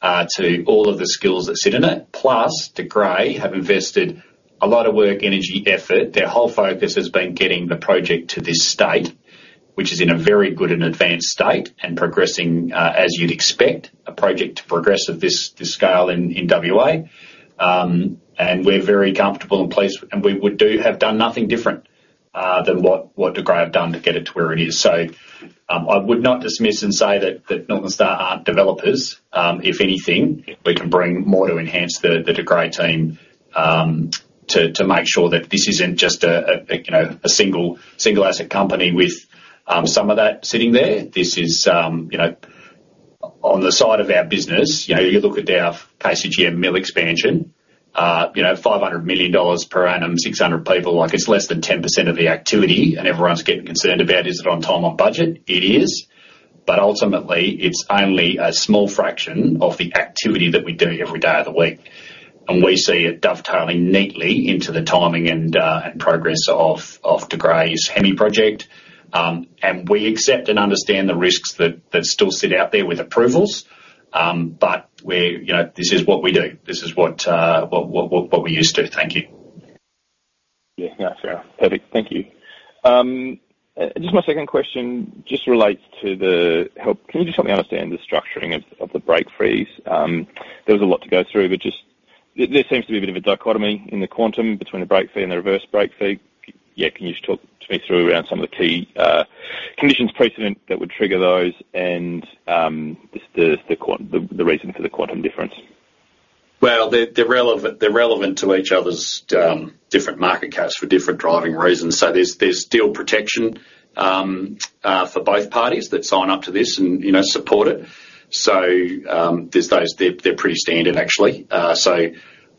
to all of the skills that sit in it. Plus, De Grey have invested a lot of work, energy, effort. Their whole focus has been getting the project to this state, which is in a very good and advanced state and progressing, as you'd expect, a project to progress at this scale in WA. And we're very comfortable and pleased, and we would have done nothing different than what De Grey have done to get it to where it is. So I would not dismiss and say that Northern Star aren't developers. If anything, we can bring more to enhance the De Grey team to make sure that this isn't just a single asset company with some of that sitting there. This is on the side of our business. You look at our KCGM Mill Expansion, 500 million dollars per annum, 600 people. It's less than 10% of the activity. And everyone's getting concerned about, "Is it on time on budget?" It is. But ultimately, it's only a small fraction of the activity that we do every day of the week. And we see it dovetailing neatly into the timing and progress of De Grey's Hemi project. And we accept and understand the risks that still sit out there with approvals. But this is what we do. This is what we're used to. Thank you. Yeah. That's fair. Perfect. Thank you. Just my second question just relates to the deal. Can you just help me understand the structuring of the break fee? There was a lot to go through, but there seems to be a bit of a dichotomy in the quantum between the break fee and the reverse break fee. Yeah. Can you just talk to me through around some of the key conditions precedent that would trigger those, and the reason for the quantum difference? Well, they're relevant to each other's different market caps for different driving reasons. So there's deal protection for both parties that sign up to this and support it. So they're pretty standard, actually. So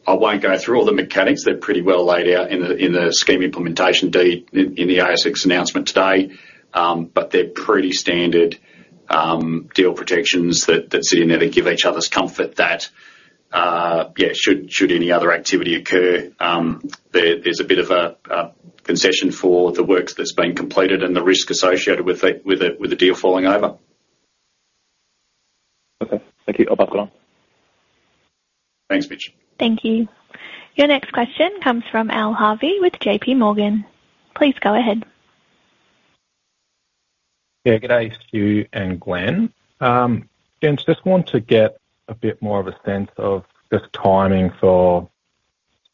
I won't go through all the mechanics. They're pretty well laid out in the Scheme Implementation Deed in the ASX announcement today. But they're pretty standard deal protections that sit in there that give each other's comfort that, yeah, should any other activity occur, there's a bit of a concession for the work that's been completed and the risk associated with it, with the deal falling over. Okay. Thank you. I'll pass it on. Thanks, Mitch. Thank you. Your next question comes from Al Harvey with JPMorgan. Please go ahead. Yeah. Good day, Stu and Glenn. Just want to get a bit more of a sense of the timing for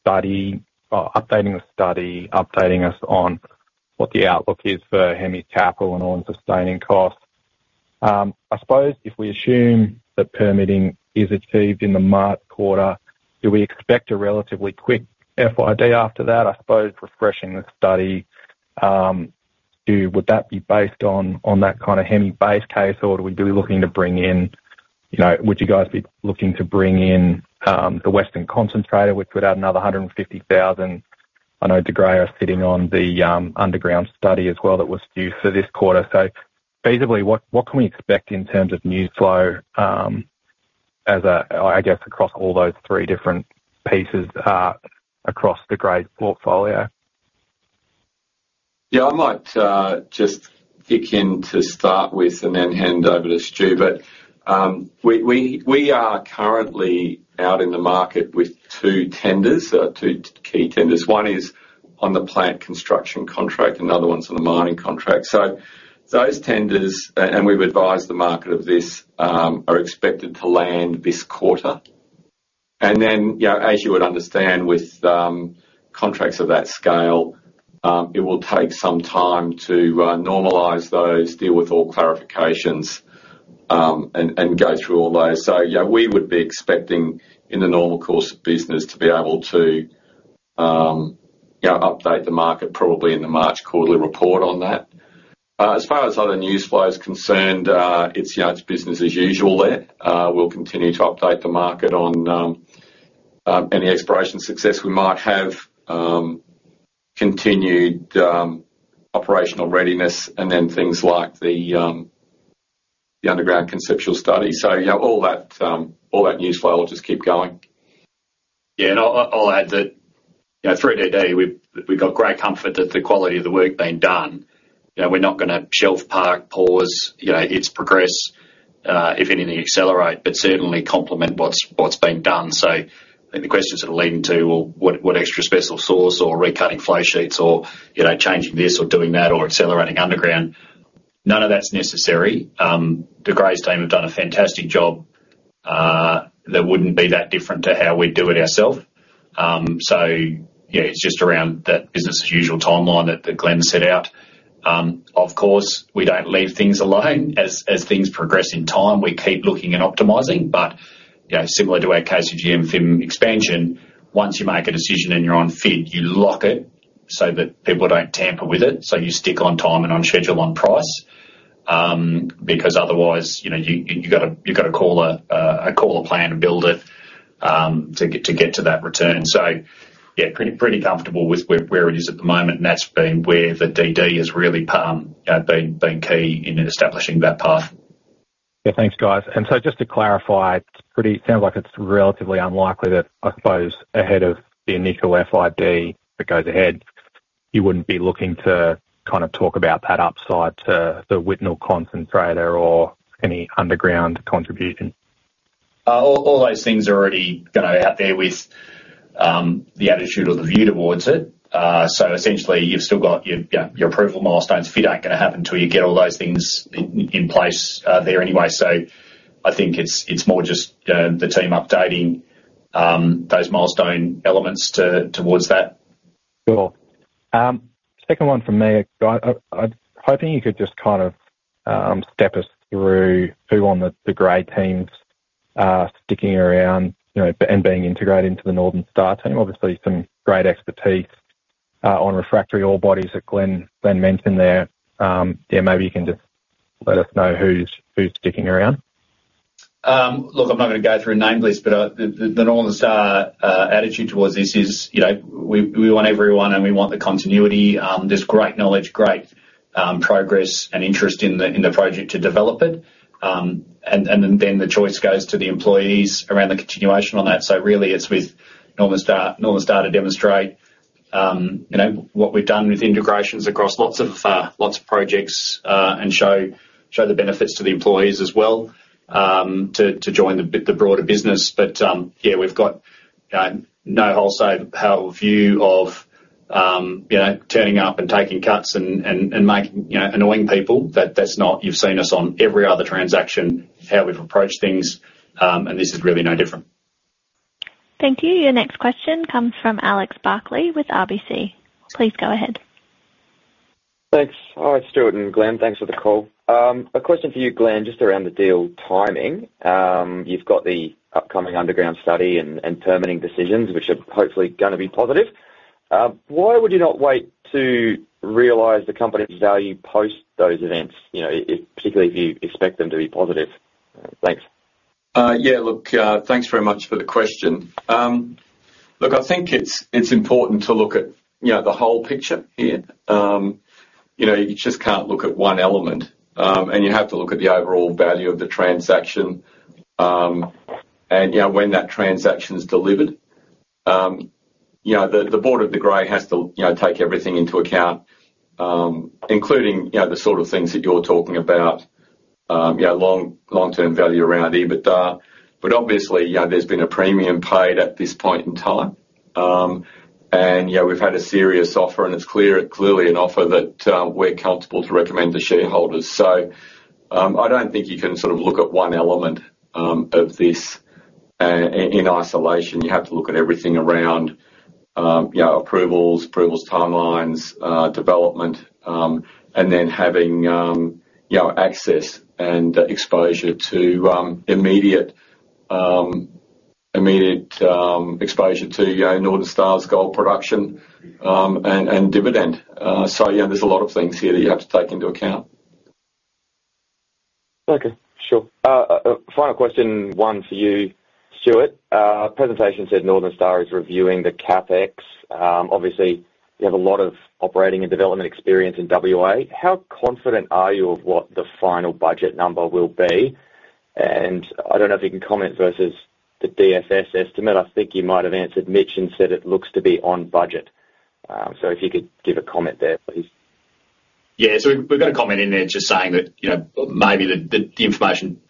updating the study, updating us on what the outlook is for Hemi capital and all the sustaining costs. I suppose if we assume that permitting is achieved in the March quarter, do we expect a relatively quick FID after that? I suppose refreshing the study, Stu, would that be based on that kind of Hemi base case, or would we be looking to bring in, would you guys be looking to bring in the Withnell Concentrator, which would add another 150,000? I know De Grey are sitting on the underground study as well that was due for this quarter. So basically, what can we expect in terms of new flow, I guess, across all those three different pieces across De Grey's portfolio? Yeah. I might just chip in to start with and then hand over to Stu. But we are currently out in the market with two tenders, two key tenders. One is on the plant construction contract, and the other one's on the mining contract. So those tenders, and we've advised the market of this, are expected to land this quarter. And then, as you would understand, with contracts of that scale, it will take some time to normalize those, deal with all clarifications, and go through all those. So we would be expecting, in the normal course of business, to be able to update the market probably in the March quarterly report on that. As far as other news flow is concerned, it's business as usual there. We'll continue to update the market on any exploration success. We'll continue with operational readiness and then things like the underground conceptual study. All that news flow will just keep going. Yeah. I'll add that through to today, we've got great comfort that the quality of the work being done. We're not going to shelve, park, pause. It's progress. If anything, accelerate, but certainly complement what's been done. So the questions that are leading to, "What extra special resource or recutting flow sheets or changing this or doing that or accelerating underground?" None of that's necessary. De Grey's team have done a fantastic job. That wouldn't be that different to how we do it ourselves. So yeah, it's just around that business as usual timeline that Glenn set out. Of course, we don't leave things alone. As things progress in time, we keep looking and optimizing. But similar to our KCGM Fimiston expansion, once you make a decision and you're on FID, you lock it so that people don't tamper with it. So you stick on time and on schedule on price because otherwise, you've got to call a plan and build it to get to that return. So yeah, pretty comfortable with where it is at the moment. And that's been where the DD has really been key in establishing that path. Yeah. Thanks, guys. And so just to clarify, it sounds like it's relatively unlikely that, I suppose, ahead of the initial FID that goes ahead, you wouldn't be looking to kind of talk about that upside to the Withnell Concentrator or any underground contribution? All those things are already going to be out there with the attitude or the view towards it. So essentially, you've still got your approval milestones. If you don't get it happen until you get all those things in place there anyway. So I think it's more just the team updating those milestone elements towards that. Cool. Second one from me. I'm hoping you could just kind of step us through who on the De Grey team's sticking around and being integrated into the Northern Star team. Obviously, some great expertise on refractory ore bodies that Glenn mentioned there. Yeah, maybe you can just let us know who's sticking around? Look, I'm not going to go through names, but the Northern Star attitude towards this is we want everyone, and we want the continuity. There's great knowledge, great progress, and interest in the project to develop it. And then the choice goes to the employees around the continuation on that. So really, it's with Northern Star to demonstrate what we've done with integrations across lots of projects and show the benefits to the employees as well to join the broader business. But yeah, we've got no wholesale view of turning up and taking cuts and annoying people. You've seen us on every other transaction, how we've approached things, and this is really no different. Thank you. Your next question comes from Alex Barkley with RBC. Please go ahead. Thanks. Hi, Stuart and Glenn. Thanks for the call. A question for you, Glenn, just around the deal timing. You've got the upcoming underground study and permitting decisions, which are hopefully going to be positive. Why would you not wait to realize the company's value post those events, particularly if you expect them to be positive? Thanks. Yeah. Look, thanks very much for the question. Look, I think it's important to look at the whole picture here. You just can't look at one element, and you have to look at the overall value of the transaction and when that transaction is delivered. The board of De Grey has to take everything into account, including the sort of things that you're talking about, long-term value around EBITDA. But obviously, there's been a premium paid at this point in time. And we've had a serious offer, and it's clearly an offer that we're comfortable to recommend to shareholders. So I don't think you can sort of look at one element of this in isolation. You have to look at everything around approvals, approvals timelines, development, and then having access and exposure to immediate exposure to Northern Star's gold production and dividend. There's a lot of things here that you have to take into account. Okay. Sure. Final question, one for you, Stuart. Presentation said Northern Star is reviewing the CapEx. Obviously, you have a lot of operating and development experience in WA. How confident are you of what the final budget number will be? And I don't know if you can comment versus the DFS estimate. I think you might have answered Mitch and said it looks to be on budget. So if you could give a comment there, please. Yeah. So we've got a comment in there just saying that maybe the information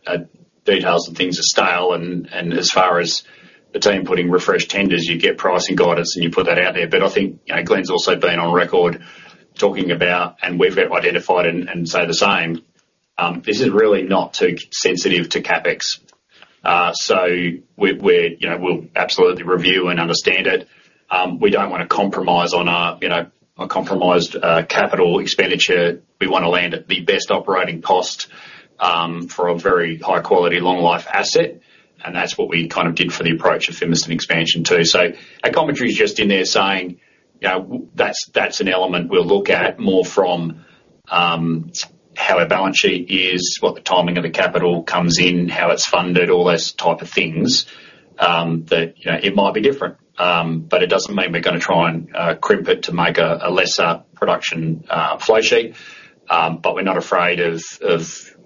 details and things are stale. And as far as the team putting refreshed tenders, you get pricing guidance, and you put that out there. But I think Glenn's also been on record talking about, and we've identified and say the same, this is really not too sensitive to CapEx. So we'll absolutely review and understand it. We don't want to compromise on our compromised capital expenditure. We want to land at the best operating cost for a very high-quality, long-life asset. And that's what we kind of did for the approach of Fimiston expansion too. So our commentary is just in there saying that's an element we'll look at more from how our balance sheet is, what the timing of the capital comes in, how it's funded, all those type of things, that it might be different. But it doesn't mean we're going to try and crimp it to make a lesser production flow sheet. But we're not afraid of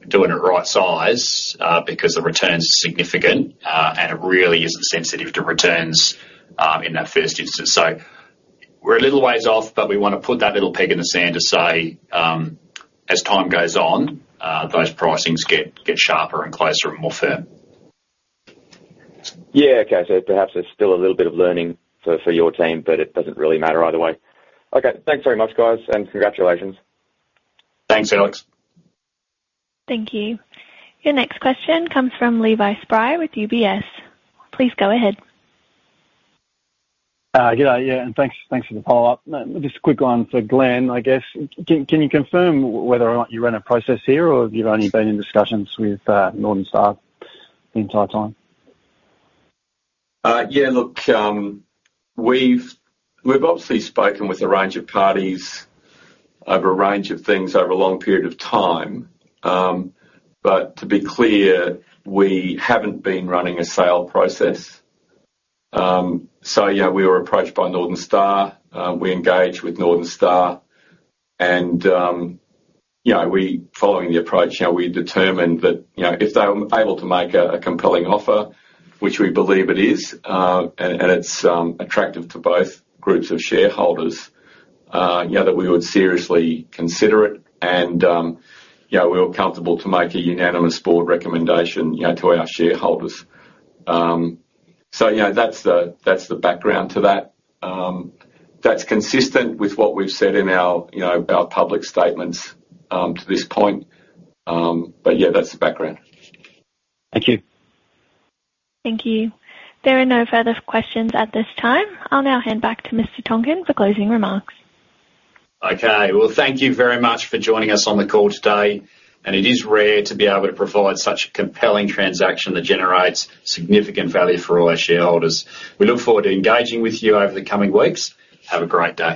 doing it right size because the returns are significant, and it really isn't sensitive to returns in that first instance. So we're a little ways off, but we want to put that little peg in the sand to say, as time goes on, those pricings get sharper and closer and more firm. Yeah. Okay. So perhaps there's still a little bit of learning for your team, but it doesn't really matter either way. Okay. Thanks very much, guys, and congratulations. Thanks, Alex. Thank you. Your next question comes from Levi Spry with UBS. Please go ahead. Yeah, and thanks for the follow-up. Just a quick one for Glenn, I guess. Can you confirm whether or not you run a process here or you've only been in discussions with Northern Star the entire time? Yeah. Look, we've obviously spoken with a range of parties over a range of things over a long period of time. But to be clear, we haven't been running a sale process. So we were approached by Northern Star. We engaged with Northern Star. And following the approach, we determined that if they were able to make a compelling offer, which we believe it is, and it's attractive to both groups of shareholders, that we would seriously consider it. And we were comfortable to make a unanimous board recommendation to our shareholders. So that's the background to that. That's consistent with what we've said in our public statements to this point. But yeah, that's the background. Thank you. Thank you. There are no further questions at this time. I'll now hand back to Mr. Tonkin for closing remarks. Thank you very much for joining us on the call today, and it is rare to be able to provide such a compelling transaction that generates significant value for all our shareholders. We look forward to engaging with you over the coming weeks. Have a great day.